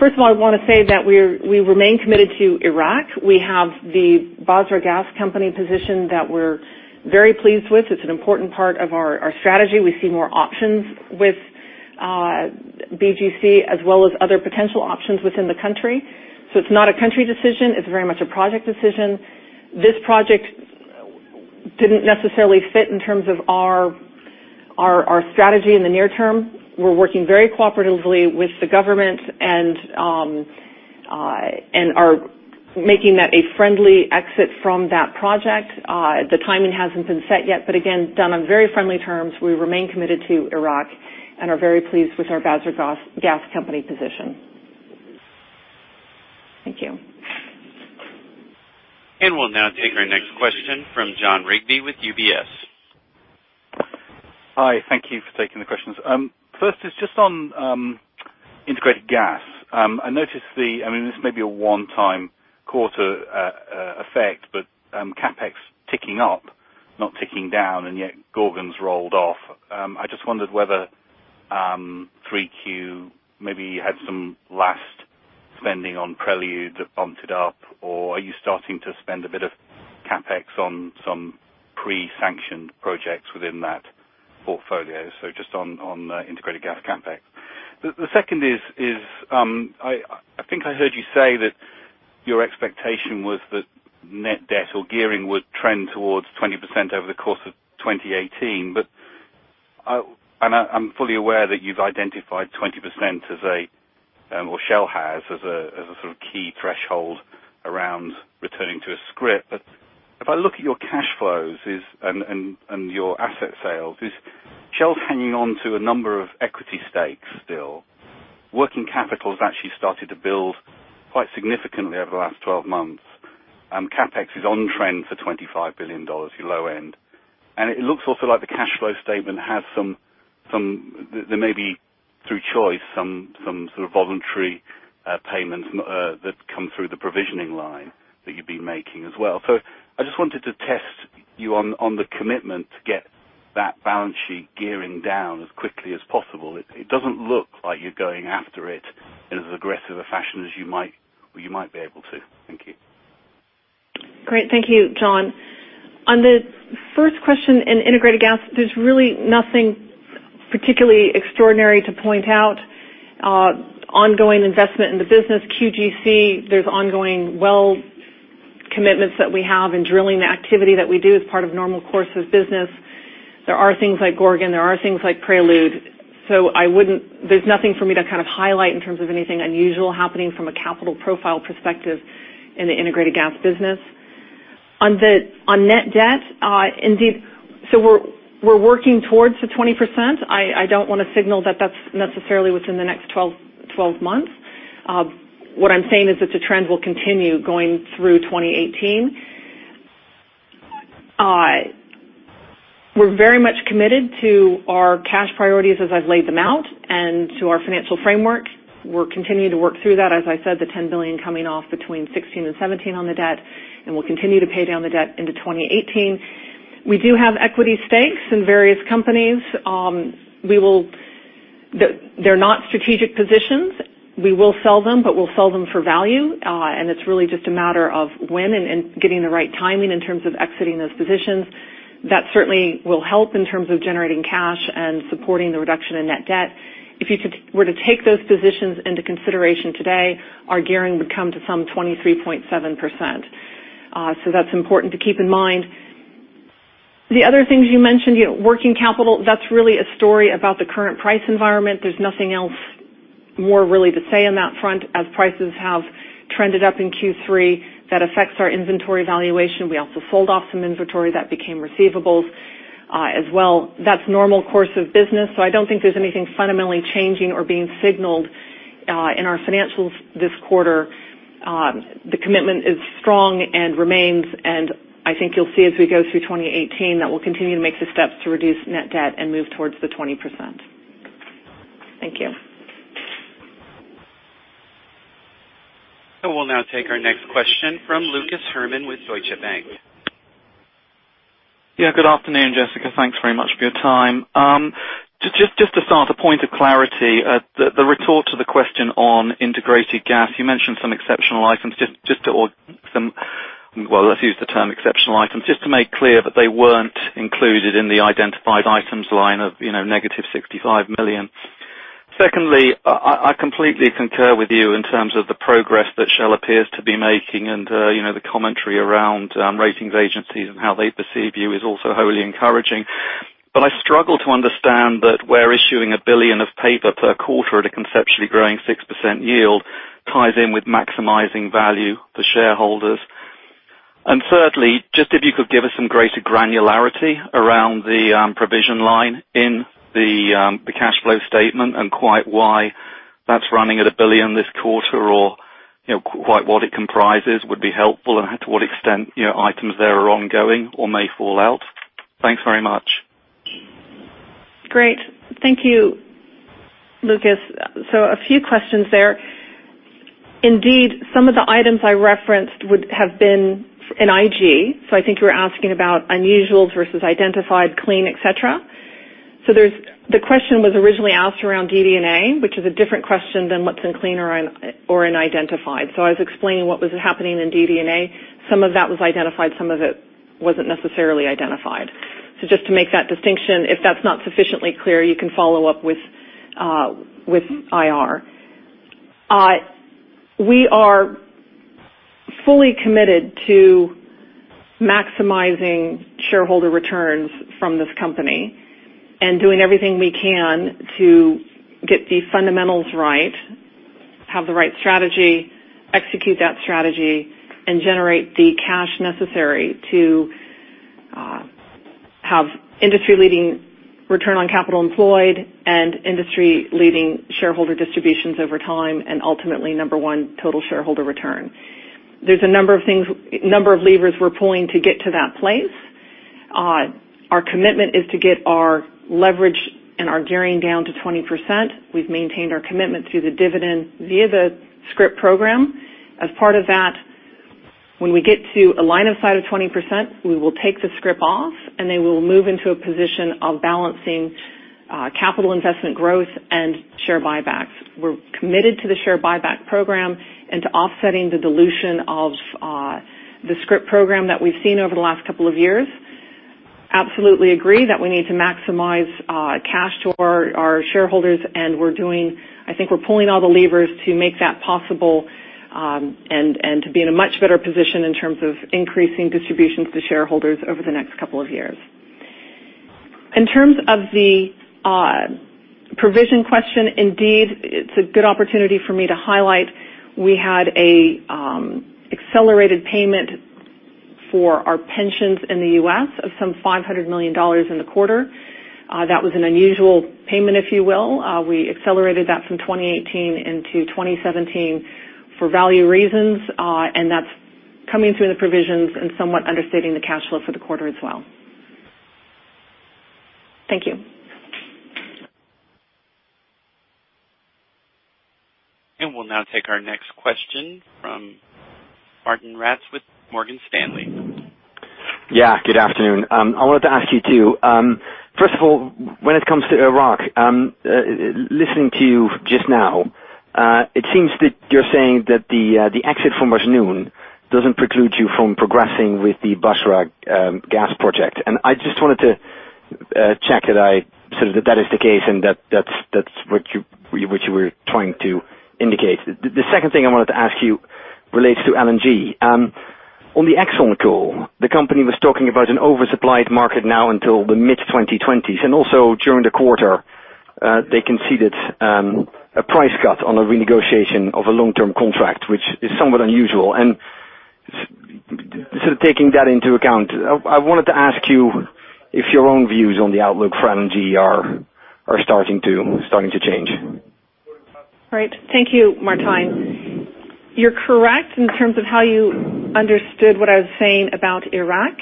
first of all, I want to say that we remain committed to Iraq. We have the Basrah Gas Company position that we're very pleased with. It's an important part of our strategy. We see more options with BGC as well as other potential options within the country. It's not a country decision, it's very much a project decision. This project didn't necessarily fit in terms of our strategy in the near term. We're working very cooperatively with the government and are making that a friendly exit from that project. The timing hasn't been set yet. Again, done on very friendly terms. We remain committed to Iraq. Are very pleased with our Basrah Gas Company position. Thank you. We'll now take our next question from Jon Rigby with UBS. Hi. Thank you for taking the questions. First is just on integrated gas. I noticed this may be a one-time quarter effect. CapEx ticking up, not ticking down. Yet Gorgon's rolled off. I just wondered whether 3Q maybe had some last spending on Prelude that bumped it up, or are you starting to spend a bit of CapEx on some pre-sanctioned projects within that portfolio. Just on integrated gas CapEx. The second is, I think I heard you say that your expectation was that net debt or gearing would trend towards 20% over the course of 2018. I'm fully aware that you've identified 20%, or Shell has, as a sort of key threshold around returning to a scrip. If I look at your cash flows and your asset sales, is Shell hanging on to a number of equity stakes still? Working capital has actually started to build quite significantly over the last 12 months. CapEx is on trend for $25 billion, your low end. It looks also like the cash flow statement, there may be, through choice, some sort of voluntary payments that come through the provisioning line that you'd be making as well. I just wanted to test you on the commitment to get that balance sheet gearing down as quickly as possible. It doesn't look like you're going after it in as aggressive a fashion as you might be able to. Thank you. Great. Thank you, Jon. On the first question, in integrated gas, there's really nothing particularly extraordinary to point out. Ongoing investment in the business, QGC, there's ongoing well commitments that we have in drilling activity that we do as part of normal course of business. There are things like Gorgon, there are things like Prelude. There's nothing for me to kind of highlight in terms of anything unusual happening from a capital profile perspective in the integrated gas business. On net debt, indeed. We're working towards the 20%. I don't want to signal that that's necessarily within the next 12 months. What I'm saying is that the trend will continue going through 2018. We're very much committed to our cash priorities as I've laid them out and to our financial framework. We'll continue to work through that, as I said, the $10 billion coming off between 2016 and 2017 on the debt, and we'll continue to pay down the debt into 2018. We do have equity stakes in various companies. They're not strategic positions. We will sell them, but we'll sell them for value. It's really just a matter of when and getting the right timing in terms of exiting those positions. That certainly will help in terms of generating cash and supporting the reduction in net debt. If you were to take those positions into consideration today, our gearing would come to some 23.7%. That's important to keep in mind. The other things you mentioned, working capital, that's really a story about the current price environment. There's nothing else more really to say on that front, as prices have trended up in Q3. That affects our inventory valuation. We also sold off some inventory that became receivables as well. That's normal course of business, so I don't think there's anything fundamentally changing or being signaled in our financials this quarter. The commitment is strong and remains, and I think you'll see as we go through 2018, that we'll continue to make the steps to reduce net debt and move towards the 20%. Thank you. We'll now take our next question from Lucas Herrmann with Deutsche Bank. Good afternoon, Jessica. Thanks very much for your time. Just to start, a point of clarity. The retort to the question on integrated gas, you mentioned some exceptional items. Well, let's use the term exceptional items, just to make clear that they weren't included in the identified items line of -$65 million. Secondly, I completely concur with you in terms of the progress that Shell appears to be making, and the commentary around ratings agencies and how they perceive you is also wholly encouraging. I struggle to understand that we're issuing $1 billion of paper per quarter at a conceptually growing 6% yield ties in with maximizing value for shareholders. Thirdly, just if you could give us some greater granularity around the provision line in the cash flow statement and quite why that's running at $1 billion this quarter, or quite what it comprises would be helpful, and to what extent items there are ongoing or may fall out. Thanks very much. Great. Thank you, Lucas. A few questions there. Indeed, some of the items I referenced would have been in IG. I think you were asking about unusual versus identified, clean, et cetera. The question was originally asked around DD&A, which is a different question than what's in clean or in identified. I was explaining what was happening in DD&A. Some of that was identified, some of it wasn't necessarily identified. Just to make that distinction, if that's not sufficiently clear, you can follow up with IR. We are fully committed to maximizing shareholder returns from this company and doing everything we can to get the fundamentals right, have the right strategy, execute that strategy, and generate the cash necessary to have industry-leading return on capital employed and industry-leading shareholder distributions over time, and ultimately, number one total shareholder return. There's a number of levers we're pulling to get to that place. Our commitment is to get our leverage and our gearing down to 20%. We've maintained our commitment to the dividend via the scrip program. When we get to a line of sight of 20%, we will take the scrip off, and then we will move into a position of balancing Capital investment growth and share buybacks. We're committed to the share buyback program and to offsetting the dilution of the scrip program that we've seen over the last couple of years. Absolutely agree that we need to maximize cash to our shareholders, and I think we're pulling all the levers to make that possible, and to be in a much better position in terms of increasing distributions to shareholders over the next couple of years. In terms of the provision question, indeed, it's a good opportunity for me to highlight. We had an accelerated payment for our pensions in the U.S. of some $500 million in the quarter. That was an unusual payment, if you will. We accelerated that from 2018 into 2017 for value reasons, and that's coming through in the provisions, and somewhat understating the cash flow for the quarter as well. Thank you. We'll now take our next question from Martijn Rats with Morgan Stanley. Yeah, good afternoon. I wanted to ask you too. First of all, when it comes to Iraq, listening to you just now, it seems that you're saying that the exit from Majnoon doesn't preclude you from progressing with the Basrah Gas project. I just wanted to check that is the case and that's what you were trying to indicate. The second thing I wanted to ask you relates to LNG. On the Exxon call, the company was talking about an oversupplied market now until the mid-2020s, also during the quarter, they conceded a price cut on a renegotiation of a long-term contract, which is somewhat unusual. Taking that into account, I wanted to ask you if your own views on the outlook for LNG are starting to change. Right. Thank you, Martijn. You're correct in terms of how you understood what I was saying about Iraq.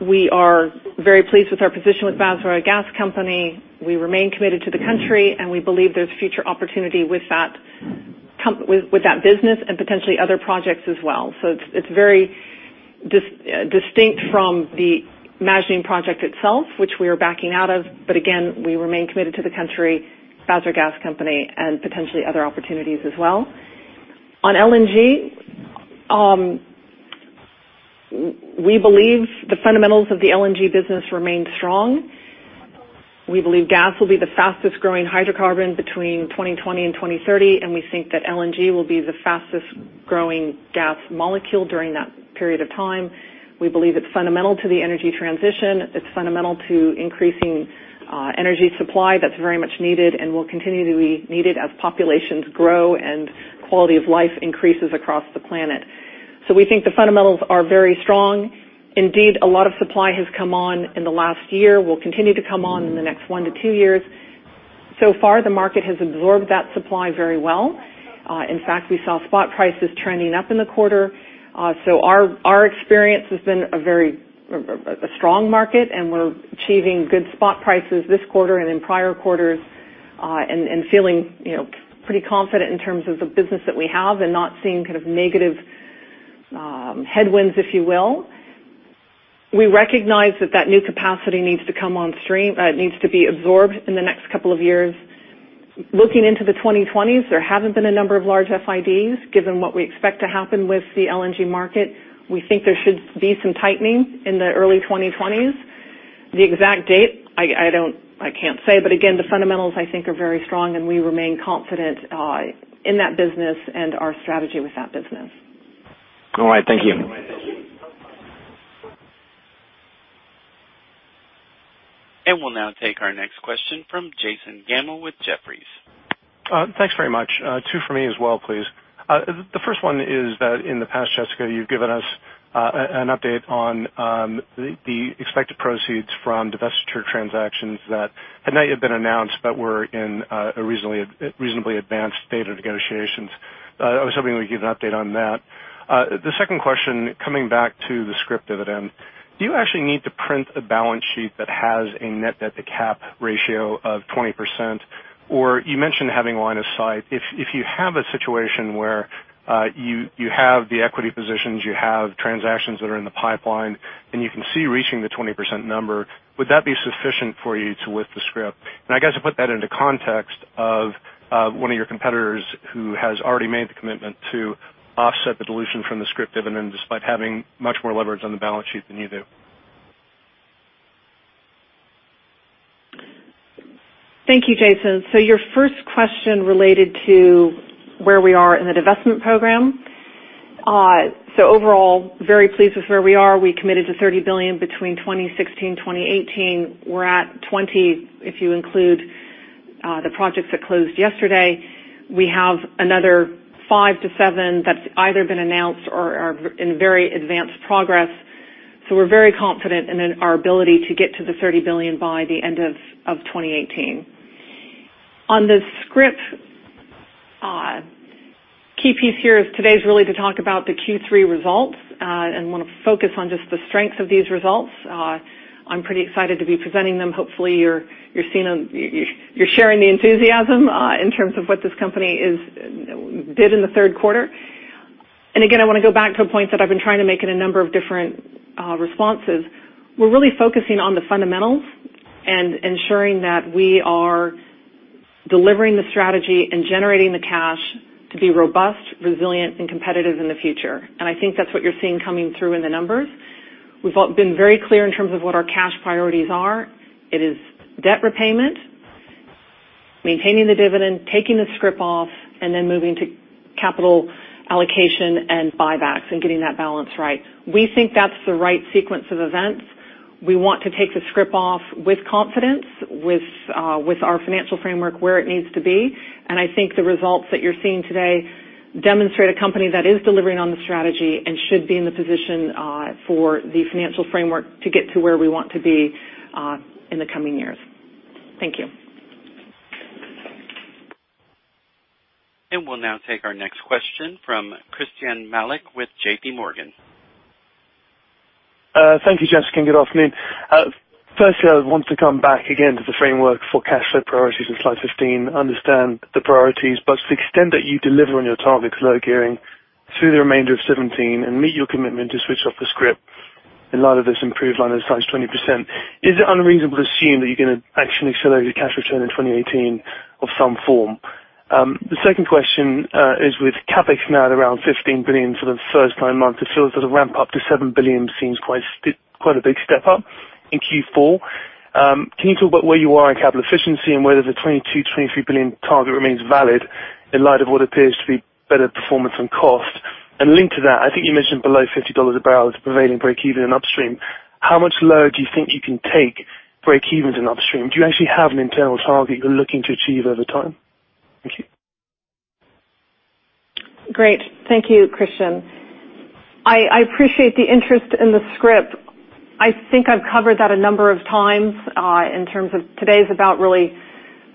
We are very pleased with our position with Basrah Gas Company. We remain committed to the country, we believe there's future opportunity with that business and potentially other projects as well. It's very distinct from the Majnoon project itself, which we are backing out of. Again, we remain committed to the country, Basrah Gas Company, and potentially other opportunities as well. On LNG, we believe the fundamentals of the LNG business remain strong. We believe gas will be the fastest growing hydrocarbon between 2020 and 2030, we think that LNG will be the fastest growing gas molecule during that period of time. We believe it's fundamental to the energy transition. It's fundamental to increasing energy supply that's very much needed and will continue to be needed as populations grow and quality of life increases across the planet. We think the fundamentals are very strong. Indeed, a lot of supply has come on in the last year, will continue to come on in the next one to two years. Far, the market has absorbed that supply very well. In fact, we saw spot prices trending up in the quarter. Our experience has been a very strong market, we're achieving good spot prices this quarter and in prior quarters, feeling pretty confident in terms of the business that we have and not seeing negative headwinds, if you will. We recognize that that new capacity needs to be absorbed in the next couple of years. Looking into the 2020s, there haven't been a number of large FIDs. Given what we expect to happen with the LNG market, we think there should be some tightening in the early 2020s. The exact date, I can't say, again, the fundamentals, I think, are very strong, we remain confident in that business and our strategy with that business. All right. Thank you. We'll now take our next question from Jason Gammel with Jefferies. Thanks very much. Two from me as well, please. The first one is that in the past, Jessica, you've given us an update on the expected proceeds from divestiture transactions that had not yet been announced, but were in a reasonably advanced state of negotiations. I was hoping we could get an update on that. The second question, coming back to the scrip dividend, do you actually need to print a balance sheet that has a net debt to cap ratio of 20%? You mentioned having line of sight. If you have a situation where you have the equity positions, you have transactions that are in the pipeline, and you can see reaching the 20% number, would that be sufficient for you to lift the scrip? I guess I'd put that into context of one of your competitors who has already made the commitment to offset the dilution from the scrip dividend, despite having much more leverage on the balance sheet than you do. Thank you, Jason. Overall, very pleased with where we are. We committed to $30 billion between 2016, 2018. We're at $20 billion if you include the projects that closed yesterday. We have another 5 to 7 that's either been announced or are in very advanced progress. We're very confident in our ability to get to the $30 billion by the end of 2018. On the scrip, key piece here is today's really to talk about the Q3 results, and want to focus on just the strengths of these results. I'm pretty excited to be presenting them. Hopefully, you're sharing the enthusiasm in terms of what this company did in the third quarter. Again, I want to go back to a point that I've been trying to make in a number of different responses. We're really focusing on the fundamentals and ensuring that we are delivering the strategy and generating the cash to be robust, resilient, and competitive in the future. I think that's what you're seeing coming through in the numbers. We've all been very clear in terms of what our cash priorities are. It is debt repayment, maintaining the dividend, taking the scrip off, and then moving to capital allocation and buybacks and getting that balance right. We think that's the right sequence of events. We want to take the scrip off with confidence, with our financial framework where it needs to be. I think the results that you're seeing today demonstrate a company that is delivering on the strategy and should be in the position for the financial framework to get to where we want to be in the coming years. Thank you. We'll now take our next question from Christyan Malek with J.P. Morgan. Thank you, Jessica, and good afternoon. Firstly, I want to come back again to the framework for cash flow priorities in slide 15. Understand the priorities, to the extent that you deliver on your targets, lower gearing through the remainder of 2017 and meet your commitment to switch off the scrip in light of this improved line of sight 20%, is it unreasonable to assume that you're going to actually accelerate your cash return in 2018 of some form? The second question is with CapEx now at around $15 billion for the first nine months, it feels as a ramp up to $7 billion seems quite a big step up in Q4. Can you talk about where you are in capital efficiency and whether the $22, $23 billion target remains valid in light of what appears to be better performance on cost? Linked to that, I think you mentioned below $50 a barrel is the prevailing breakeven in Upstream. How much lower do you think you can take breakevens in Upstream? Do you actually have an internal target you're looking to achieve over time? Thank you. Great. Thank you, Christyan. I appreciate the interest in the scrip. I think I've covered that a number of times in terms of today's about really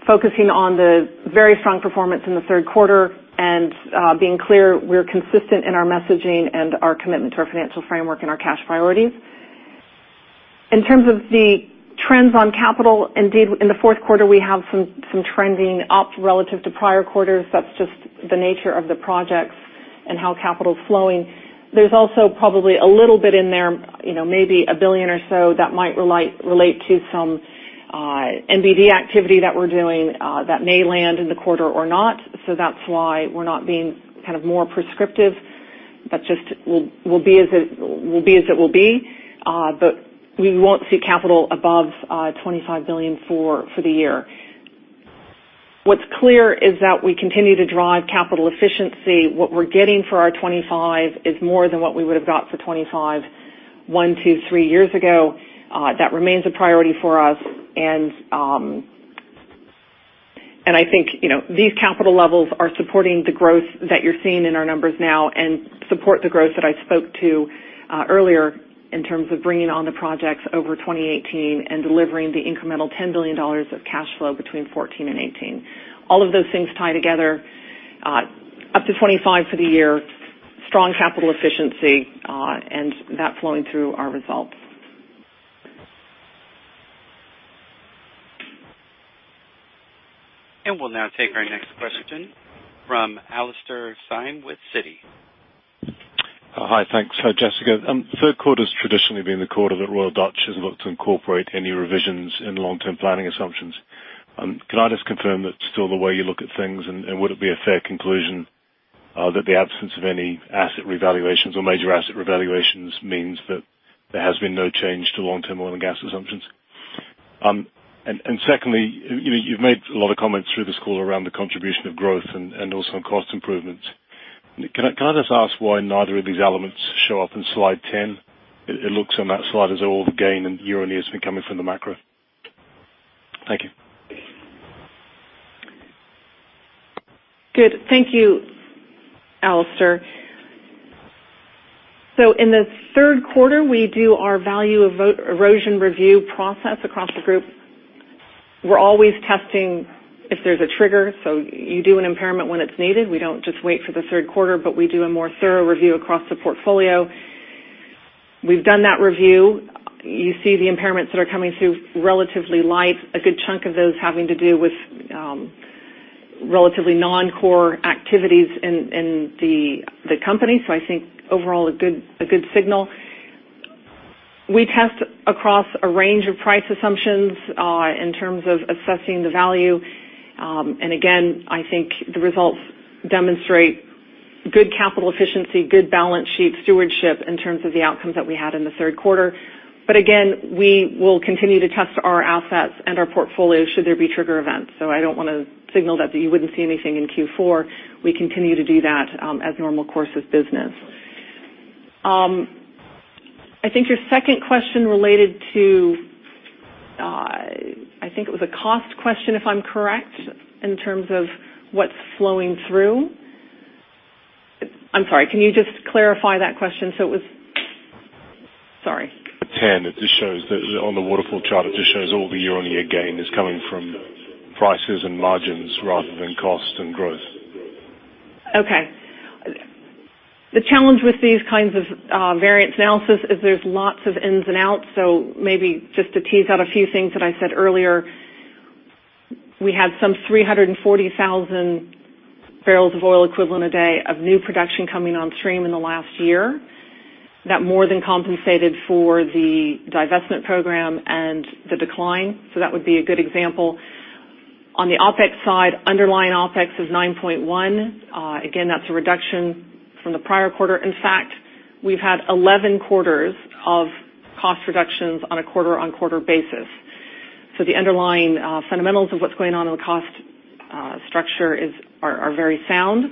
focusing on the very strong performance in the third quarter and being clear we're consistent in our messaging and our commitment to our financial framework and our cash priorities. In terms of the trends on capital, indeed, in the fourth quarter, we have some trending up relative to prior quarters. That's just the nature of the projects and how capital's flowing. There's also probably a little bit in there, maybe $1 billion or so that might relate to some NBD activity that we're doing that may land in the quarter or not. That's why we're not being more prescriptive. That just will be as it will be. We won't see capital above $25 billion for the year. What's clear is that we continue to drive capital efficiency. What we're getting for our $25 billion is more than what we would have got for $25 billion one, two, three years ago. That remains a priority for us. I think these capital levels are supporting the growth that you're seeing in our numbers now and support the growth that I spoke to earlier in terms of bringing on the projects over 2018 and delivering the incremental $10 billion of cash flow between 2014 and 2018. All of those things tie together up to $25 billion for the year, strong capital efficiency, and that flowing through our results. We'll now take our next question from Alastair Syme with Citi. Hi. Thanks, Jessica. Third quarter's traditionally been the quarter that Royal Dutch has looked to incorporate any revisions in long-term planning assumptions. Can I just confirm that's still the way you look at things? Would it be a fair conclusion that the absence of any asset revaluations or major asset revaluations means that there has been no change to long-term oil and gas assumptions? Secondly, you've made a lot of comments through this call around the contribution of growth and also on cost improvements. Can I just ask why neither of these elements show up in slide 10? It looks on that slide as all the gain in year-on-year has been coming from the macro. Thank you. Good. Thank you, Alastair. In the third quarter, we do our value erosion review process across the group. We're always testing if there's a trigger. You do an impairment when it's needed. We don't just wait for the third quarter, but we do a more thorough review across the portfolio. We've done that review. You see the impairments that are coming through relatively light, a good chunk of those having to do with relatively non-core activities in the company. I think overall, a good signal. We test across a range of price assumptions in terms of assessing the value. Again, I think the results demonstrate good capital efficiency, good balance sheet stewardship in terms of the outcomes that we had in the third quarter. Again, we will continue to test our assets and our portfolio should there be trigger events. I don't want to signal that you wouldn't see anything in Q4. We continue to do that as normal course of business. I think your second question related to, I think it was a cost question, if I'm correct, in terms of what's flowing through. I'm sorry, can you just clarify that question? Sorry. 10, it just shows that on the waterfall chart, it just shows all the year-on-year gain is coming from prices and margins rather than cost and growth. The challenge with these kinds of variance analysis is there's lots of ins and outs. Maybe just to tease out a few things that I said earlier. We had some 340,000 barrels of oil equivalent a day of new production coming on stream in the last year. That more than compensated for the divestment program and the decline. That would be a good example. On the OpEx side, underlying OpEx is 9.1. Again, that's a reduction from the prior quarter. In fact, we've had 11 quarters of cost reductions on a quarter-on-quarter basis. The underlying fundamentals of what's going on in the cost structure are very sound.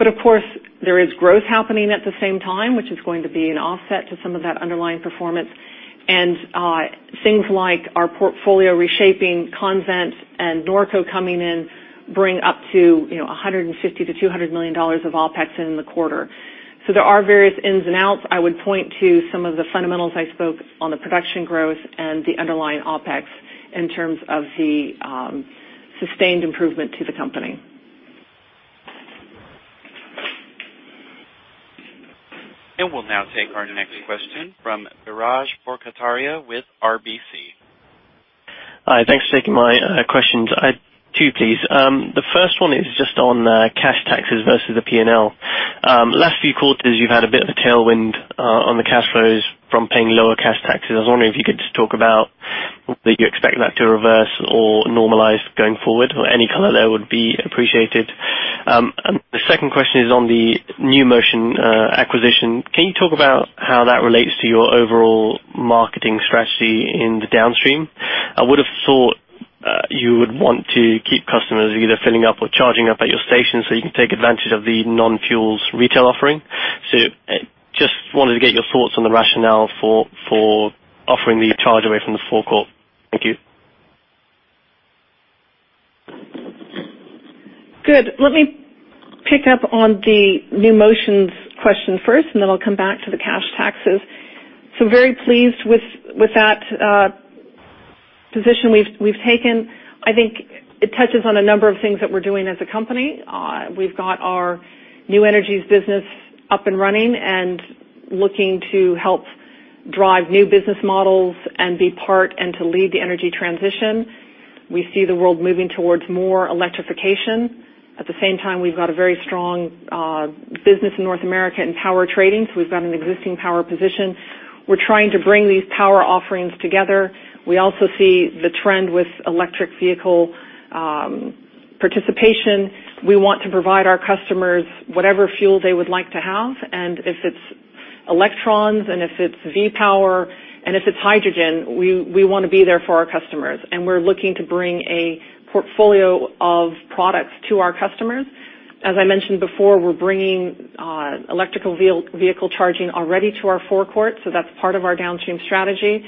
Of course, there is growth happening at the same time, which is going to be an offset to some of that underlying performance. Things like our portfolio reshaping, Convent and Norco coming in bring up to $150 million to $200 million of OpEx in the quarter. There are various ins and outs. I would point to some of the fundamentals I spoke on the production growth and the underlying OpEx in terms of the sustained improvement to the company. We'll now take our next question from Biraj Borkhataria with RBC. Hi. Thanks for taking my questions. I have two, please. The first one is just on cash taxes versus the P&L. Last few quarters, you've had a bit of a tailwind on the cash flows from paying lower cash taxes. I was wondering if you could just talk about whether you expect that to reverse or normalize going forward, or any color there would be appreciated. The second question is on the NewMotion acquisition. Can you talk about how that relates to your overall marketing strategy in the downstream? I would've thought you would want to keep customers either filling up or charging up at your station so you can take advantage of the non-fuels retail offering. Just wanted to get your thoughts on the rationale for offering the charge away from the forecourt. Thank you. Good. Let me pick up on the NewMotion question first, then I'll come back to the cash taxes. Very pleased with that position we've taken. I think it touches on a number of things that we're doing as a company. We've got our new energies business up and running and looking to help drive new business models and be part and to lead the energy transition. We see the world moving towards more electrification. At the same time, we've got a very strong business in North America in power trading, so we've got an existing power position. We're trying to bring these power offerings together. We also see the trend with electric vehicle participation. We want to provide our customers whatever fuel they would like to have, and if it's electrons and if it's V-Power and if it's hydrogen, we want to be there for our customers. We're looking to bring a portfolio of products to our customers. As I mentioned before, we're bringing electrical vehicle charging already to our forecourt, so that's part of our downstream strategy.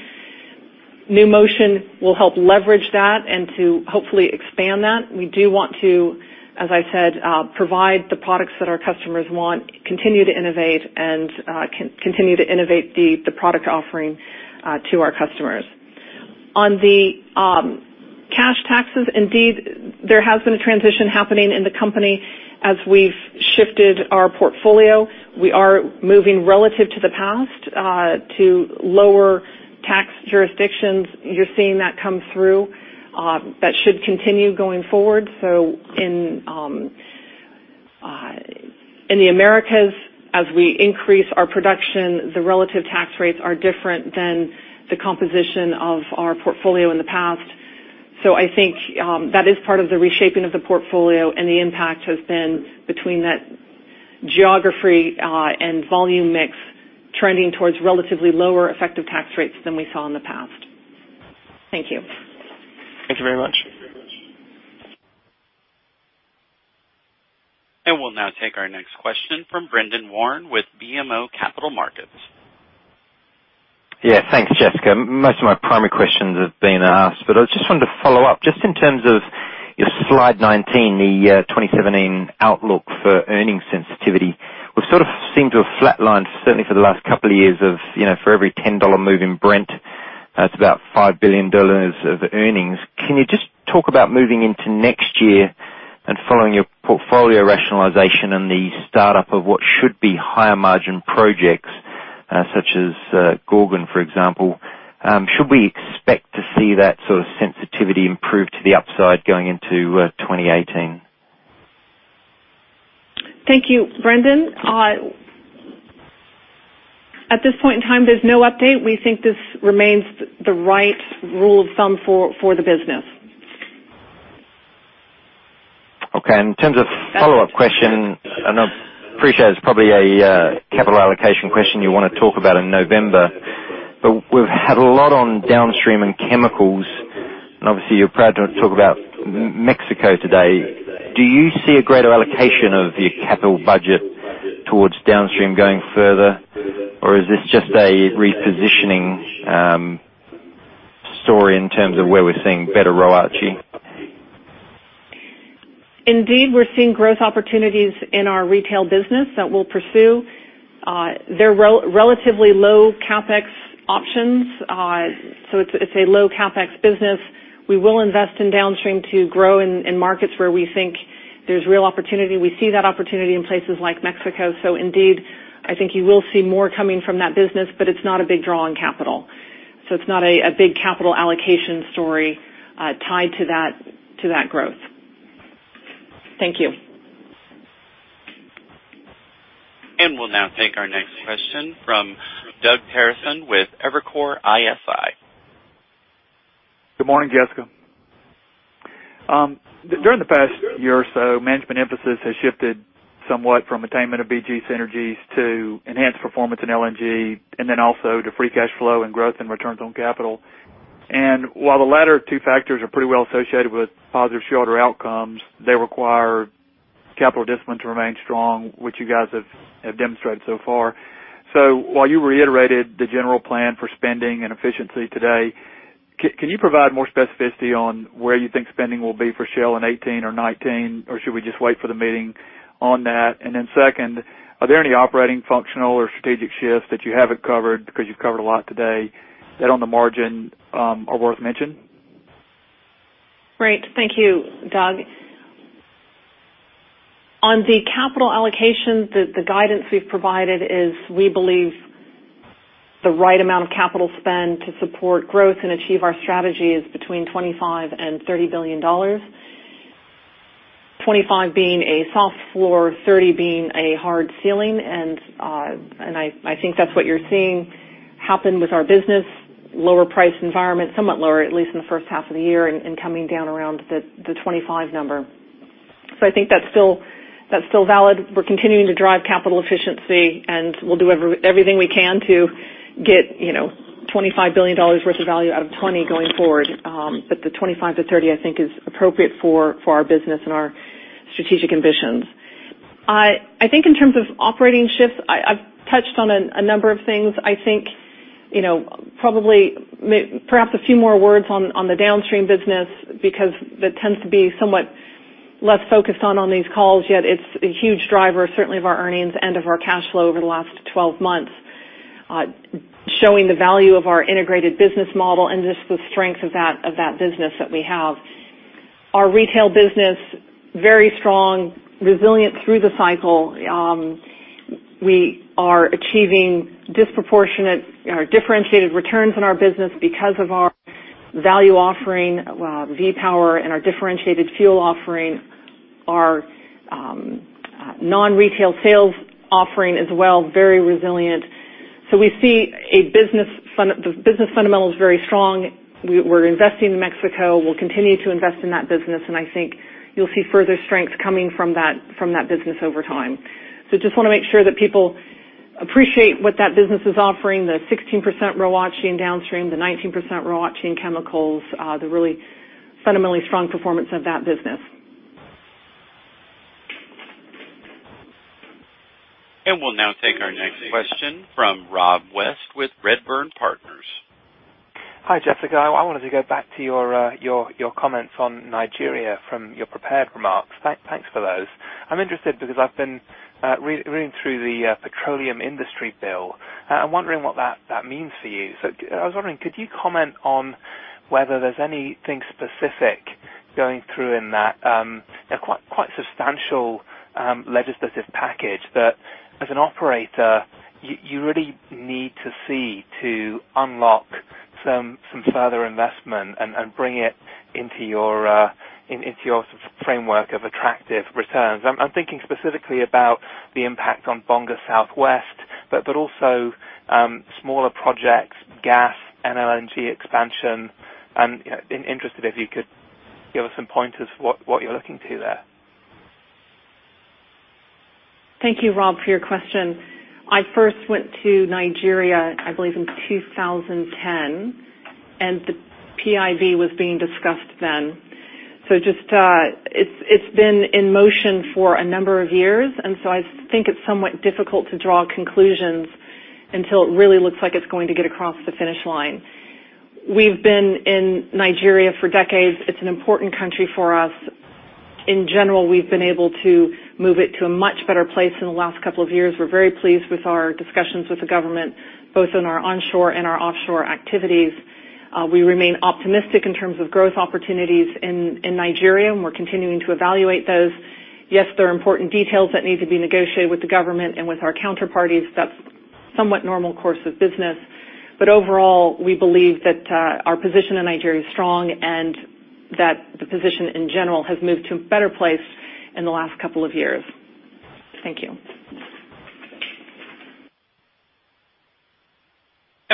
NewMotion will help leverage that and to hopefully expand that. We do want to, as I said, provide the products that our customers want, continue to innovate, and continue to innovate the product offering to our customers. On the cash taxes, indeed, there has been a transition happening in the company as we've shifted our portfolio. We are moving relative to the past to lower tax jurisdictions. You're seeing that come through. That should continue going forward. In the Americas, as we increase our production, the relative tax rates are different than the composition of our portfolio in the past. I think that is part of the reshaping of the portfolio, the impact has been between that geography and volume mix trending towards relatively lower effective tax rates than we saw in the past. Thank you. Thank you very much. We'll now take our next question from Brendan Warren with BMO Capital Markets. Yeah. Thanks, Jessica. Most of my primary questions have been asked, but I just wanted to follow up just in terms of your slide 19, the 2017 outlook for earnings sensitivity. We've sort of seemed to have flatlined, certainly for the last couple of years of, for every $10 move in Brent, it's about $5 billion of earnings. Can you just talk about moving into next year and following your portfolio rationalization and the startup of what should be higher margin projects, such as Gorgon, for example? Should we expect to see that sort of sensitivity improve to the upside going into 2018? Thank you, Brendan. At this point in time, there's no update. We think this remains the right rule of thumb for the business. Okay. In terms of follow-up question, and I appreciate it's probably a capital allocation question you want to talk about in November, but we've had a lot on downstream and chemicals, and obviously you're proud to talk about Mexico today. Do you see a greater allocation of the capital budget towards downstream going further, or is this just a repositioning story in terms of where we're seeing better ROIC? Indeed, we're seeing growth opportunities in our retail business that we'll pursue. They're relatively low CapEx options. It's a low CapEx business. We will invest in downstream to grow in markets where we think there's real opportunity. We see that opportunity in places like Mexico. Indeed, I think you will see more coming from that business, but it's not a big draw on capital. It's not a big capital allocation story tied to that growth. Thank you. We'll now take our next question from Doug Terreson with Evercore ISI. Good morning, Jessica. During the past year or so, management emphasis has shifted somewhat from attainment of BG synergies to enhanced performance in LNG and then also to free cash flow and growth in returns on capital. While the latter two factors are pretty well associated with positive shareholder outcomes, they require capital discipline to remain strong, which you guys have demonstrated so far. While you reiterated the general plan for spending and efficiency today, can you provide more specificity on where you think spending will be for Shell in 2018 or 2019? Or should we just wait for the meeting on that? Then second, are there any operating functional or strategic shifts that you haven't covered, because you've covered a lot today, that on the margin are worth mention? Great. Thank you, Doug. On the capital allocation, the guidance we've provided is we believe the right amount of capital spend to support growth and achieve our strategy is between $25 billion and $30 billion. 25 being a soft floor, 30 being a hard ceiling. I think that's what you're seeing happen with our business. Lower price environment, somewhat lower, at least in the first half of the year, coming down around the 25 number. I think that's still valid. We're continuing to drive capital efficiency, we'll do everything we can to get $25 billion worth of value out of 20 going forward. The 25 to 30, I think, is appropriate for our business and our strategic ambitions. I think in terms of operating shifts, I've touched on a number of things. I think perhaps a few more words on the downstream business, because that tends to be somewhat less focused on these calls, yet it's a huge driver, certainly of our earnings and of our cash flow over the last 12 months, showing the value of our integrated business model and just the strength of that business that we have. Our retail business, very strong, resilient through the cycle. We are achieving differentiated returns in our business because of our value offering, V-Power and our differentiated fuel offering. Our non-retail sales offering as well, very resilient. We see the business fundamentals very strong. We're investing in Mexico. We'll continue to invest in that business, and I think you'll see further strength coming from that business over time. Just want to make sure that people appreciate what that business is offering, the 16% ROACE in downstream, the 19% ROACE in chemicals, the really fundamentally strong performance of that business. We'll now take our next question from Rob West with Redburn Partners. Hi, Jessica. I wanted to go back to your comments on Nigeria from your prepared remarks. Thanks for those. I'm interested because I've been reading through the Petroleum Industry Bill. I'm wondering what that means for you. I was wondering, could you comment on whether there's anything specific going through in that quite substantial legislative package that, as an operator, you really need to see to unlock some further investment and bring it into your framework of attractive returns? I'm thinking specifically about the impact on Bonga Southwest, but also smaller projects, gas, NLNG expansion, and interested if you could give us some pointers what you're looking to there. Thank you, Rob, for your question. I first went to Nigeria, I believe, in 2010, and the PIV was being discussed then. It's been in motion for a number of years, so I think it's somewhat difficult to draw conclusions until it really looks like it's going to get across the finish line. We've been in Nigeria for decades. It's an important country for us. In general, we've been able to move it to a much better place in the last couple of years. We're very pleased with our discussions with the government, both on our onshore and our offshore activities. We remain optimistic in terms of growth opportunities in Nigeria, we're continuing to evaluate those. Yes, there are important details that need to be negotiated with the government and with our counterparties. That's somewhat normal course of business. Overall, we believe that our position in Nigeria is strong and that the position in general has moved to a better place in the last couple of years. Thank you.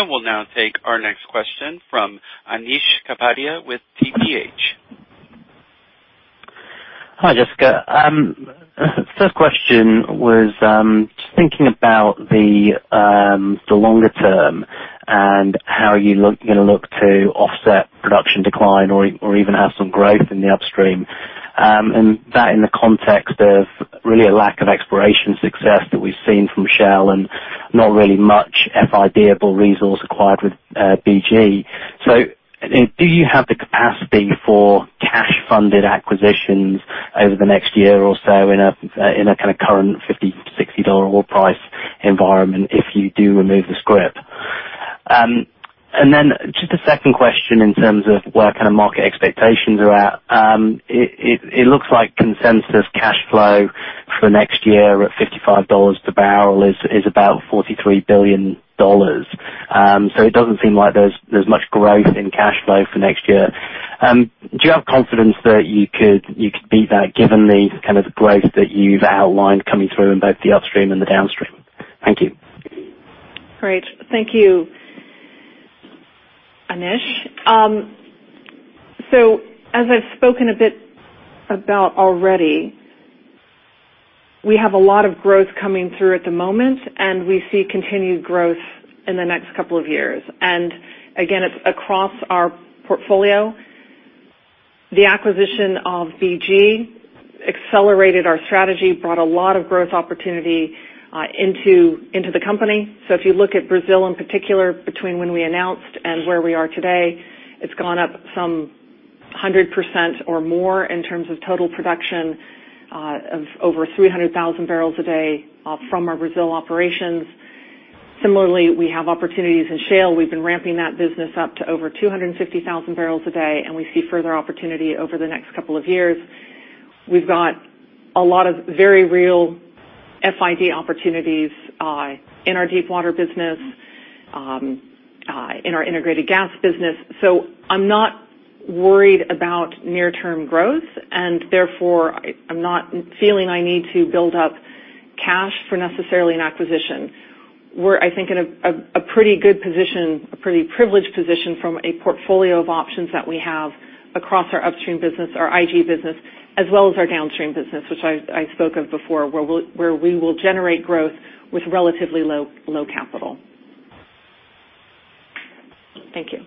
We'll now take our next question from Anish Kapadia with TPH. Hi, Jessica. First question was just thinking about the longer term and how you're going to look to offset production decline or even have some growth in the upstream, that in the context of really a lack of exploration success that we've seen from Shell and not really much FID-able resource acquired with BG. Do you have the capacity for cash-funded acquisitions over the next year or so in a kind of current $50, $60 oil price environment if you do remove the scrip? Then just a second question in terms of where kind of market expectations are at. It looks like consensus cash flow for next year at $55 per barrel is about $43 billion. It doesn't seem like there's much growth in cash flow for next year. Do you have confidence that you could beat that given the kind of growth that you've outlined coming through in both the upstream and the downstream? Thank you. Great. Thank you, Anish. As I've spoken a bit about already, we have a lot of growth coming through at the moment, we see continued growth in the next couple of years. Again, it's across our portfolio. The acquisition of BG accelerated our strategy, brought a lot of growth opportunity into the company. If you look at Brazil in particular, between when we announced and where we are today, it's gone up some 100% or more in terms of total production of over 300,000 barrels a day from our Brazil operations. Similarly, we have opportunities in shale. We've been ramping that business up to over 250,000 barrels a day, and we see further opportunity over the next couple of years. We've got a lot of very real FID opportunities in our Deepwater business, in our Integrated Gas business. I'm not worried about near-term growth, and therefore, I'm not feeling I need to build up cash for necessarily an acquisition. We're, I think, in a pretty good position, a pretty privileged position from a portfolio of options that we have across our Upstream business, our IG business, as well as our Downstream business, which I spoke of before, where we will generate growth with relatively low capital. Thank you.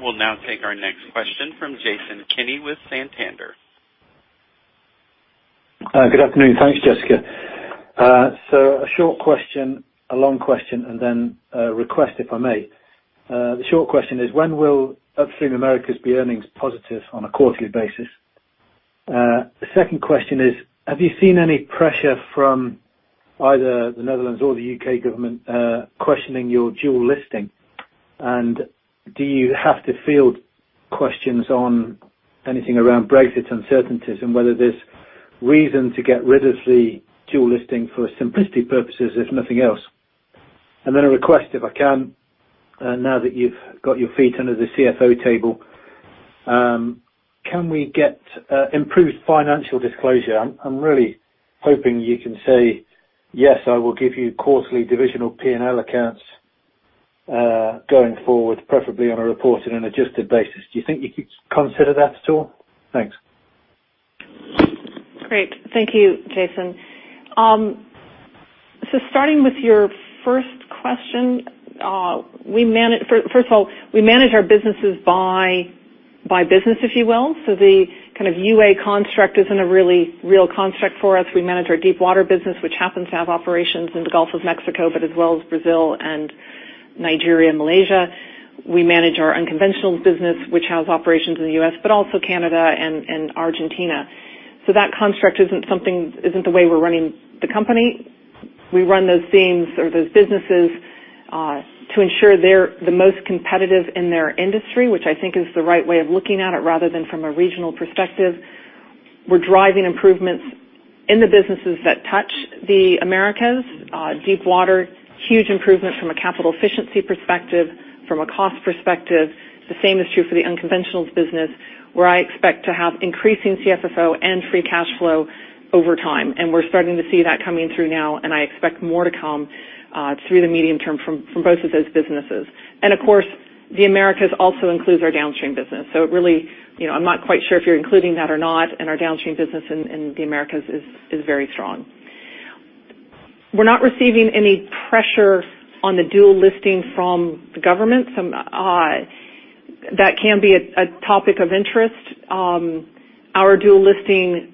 We'll now take our next question from Jason Kenney with Santander. Good afternoon. Thanks, Jessica. A short question, a long question, and then a request, if I may. The short question is, when will Upstream Americas be earnings positive on a quarterly basis? The second question is, have you seen any pressure from either the Netherlands or the U.K. government questioning your dual listing? Do you have to field questions on anything around Brexit uncertainties and whether there's reason to get rid of the dual listing for simplicity purposes, if nothing else? Then a request, if I can, now that you've got your feet under the CFO table, can we get improved financial disclosure? I'm really hoping you can say, "Yes, I will give you quarterly divisional P&L accounts going forward, preferably on a reported and adjusted basis." Do you think you could consider that at all? Thanks. Great. Thank you, Jason. Starting with your first question, first of all, we manage our businesses by business, if you will. The UA construct isn't a really real construct for us. We manage our Deepwater business, which happens to have operations in the Gulf of Mexico, but as well as Brazil and Nigeria, Malaysia. We manage our Unconventional business, which has operations in the U.S., but also Canada and Argentina. That construct isn't the way we're running the company. We run those themes or those businesses to ensure they're the most competitive in their industry, which I think is the right way of looking at it, rather than from a regional perspective. We're driving improvements in the businesses that touch the Americas. Deepwater, huge improvement from a capital efficiency perspective, from a cost perspective. The same is true for the Unconventionals business, where I expect to have increasing CFFO and free cash flow over time. We're starting to see that coming through now, and I expect more to come through the medium term from both of those businesses. Of course, the Americas also includes our Downstream business. I'm not quite sure if you're including that or not, and our Downstream business in the Americas is very strong. We're not receiving any pressure on the dual listing from the government. That can be a topic of interest. Our dual listing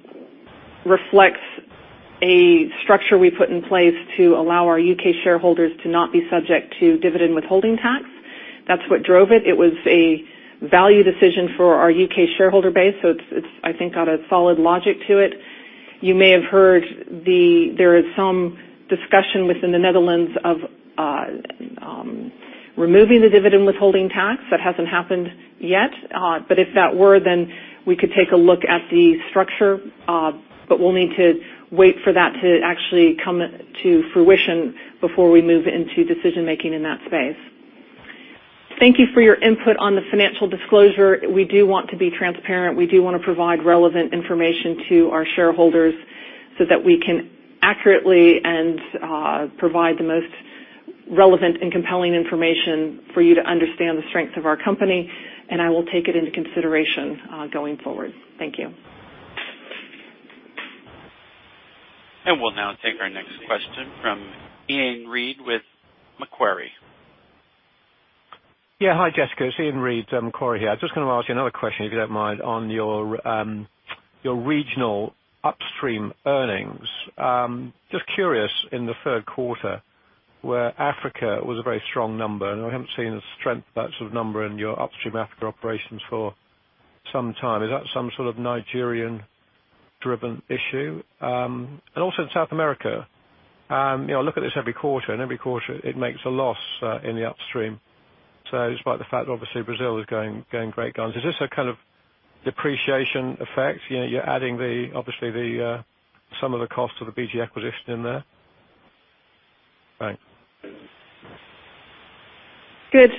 reflects a structure we put in place to allow our U.K. shareholders to not be subject to dividend withholding tax. That's what drove it. It was a value decision for our U.K. shareholder base. It's, I think, got a solid logic to it. You may have heard there is some discussion within the Netherlands of removing the dividend withholding tax. That hasn't happened yet. If that were, then we could take a look at the structure. We'll need to wait for that to actually come to fruition before we move into decision-making in that space. Thank you for your input on the financial disclosure. We do want to be transparent. We do want to provide relevant information to our shareholders so that we can accurately provide the most relevant and compelling information for you to understand the strength of our company, and I will take it into consideration going forward. Thank you. We'll now take our next question from Iain Reid with Macquarie. Yeah. Hi, Jessica. It's Iain Reid, Macquarie here. I was just going to ask you another question, if you don't mind, on your regional Upstream earnings. Just curious, in the third quarter, where Africa was a very strong number, we haven't seen the strength of that sort of number in your Upstream Africa operations for some time. Is that some sort of Nigerian-driven issue? Also South America. I look at this every quarter, and every quarter it makes a loss in the Upstream. Despite the fact that obviously Brazil is going great guns, is this a kind of Depreciation effects, you're adding obviously some of the cost of the BG acquisition in there? Right? Good.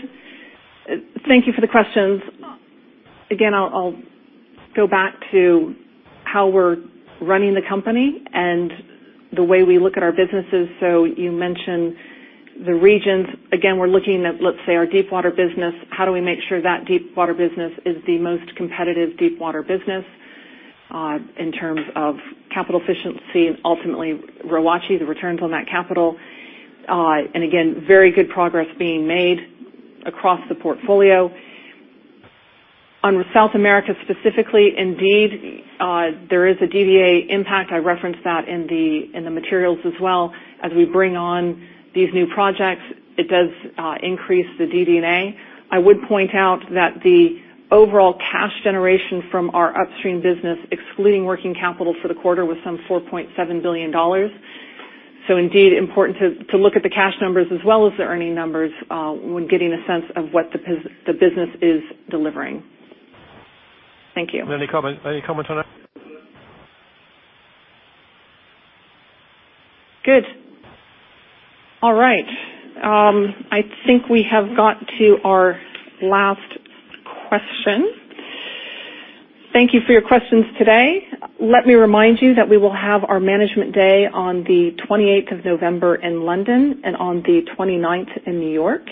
Thank you for the questions. Again, I'll go back to how we're running the company and the way we look at our businesses. You mentioned the regions. Again, we're looking at, let's say, our deep water business. How do we make sure that deep water business is the most competitive deep water business in terms of capital efficiency and ultimately, ROACE, the returns on that capital. Again, very good progress being made across the portfolio. On South America specifically, indeed, there is a DDA impact. I referenced that in the materials as well. As we bring on these new projects, it does increase the DD&A. I would point out that the overall cash generation from our Upstream business, excluding working capital for the quarter, was some $4.7 billion. Indeed, important to look at the cash numbers as well as the earning numbers when getting a sense of what the business is delivering. Thank you. Any comment on that? Good. All right. I think we have got to our last question. Thank you for your questions today. Let me remind you that we will have our management day on the 28th of November in London and on the 29th in New York.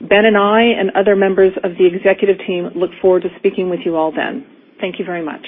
Ben and I and other members of the executive team look forward to speaking with you all then. Thank you very much.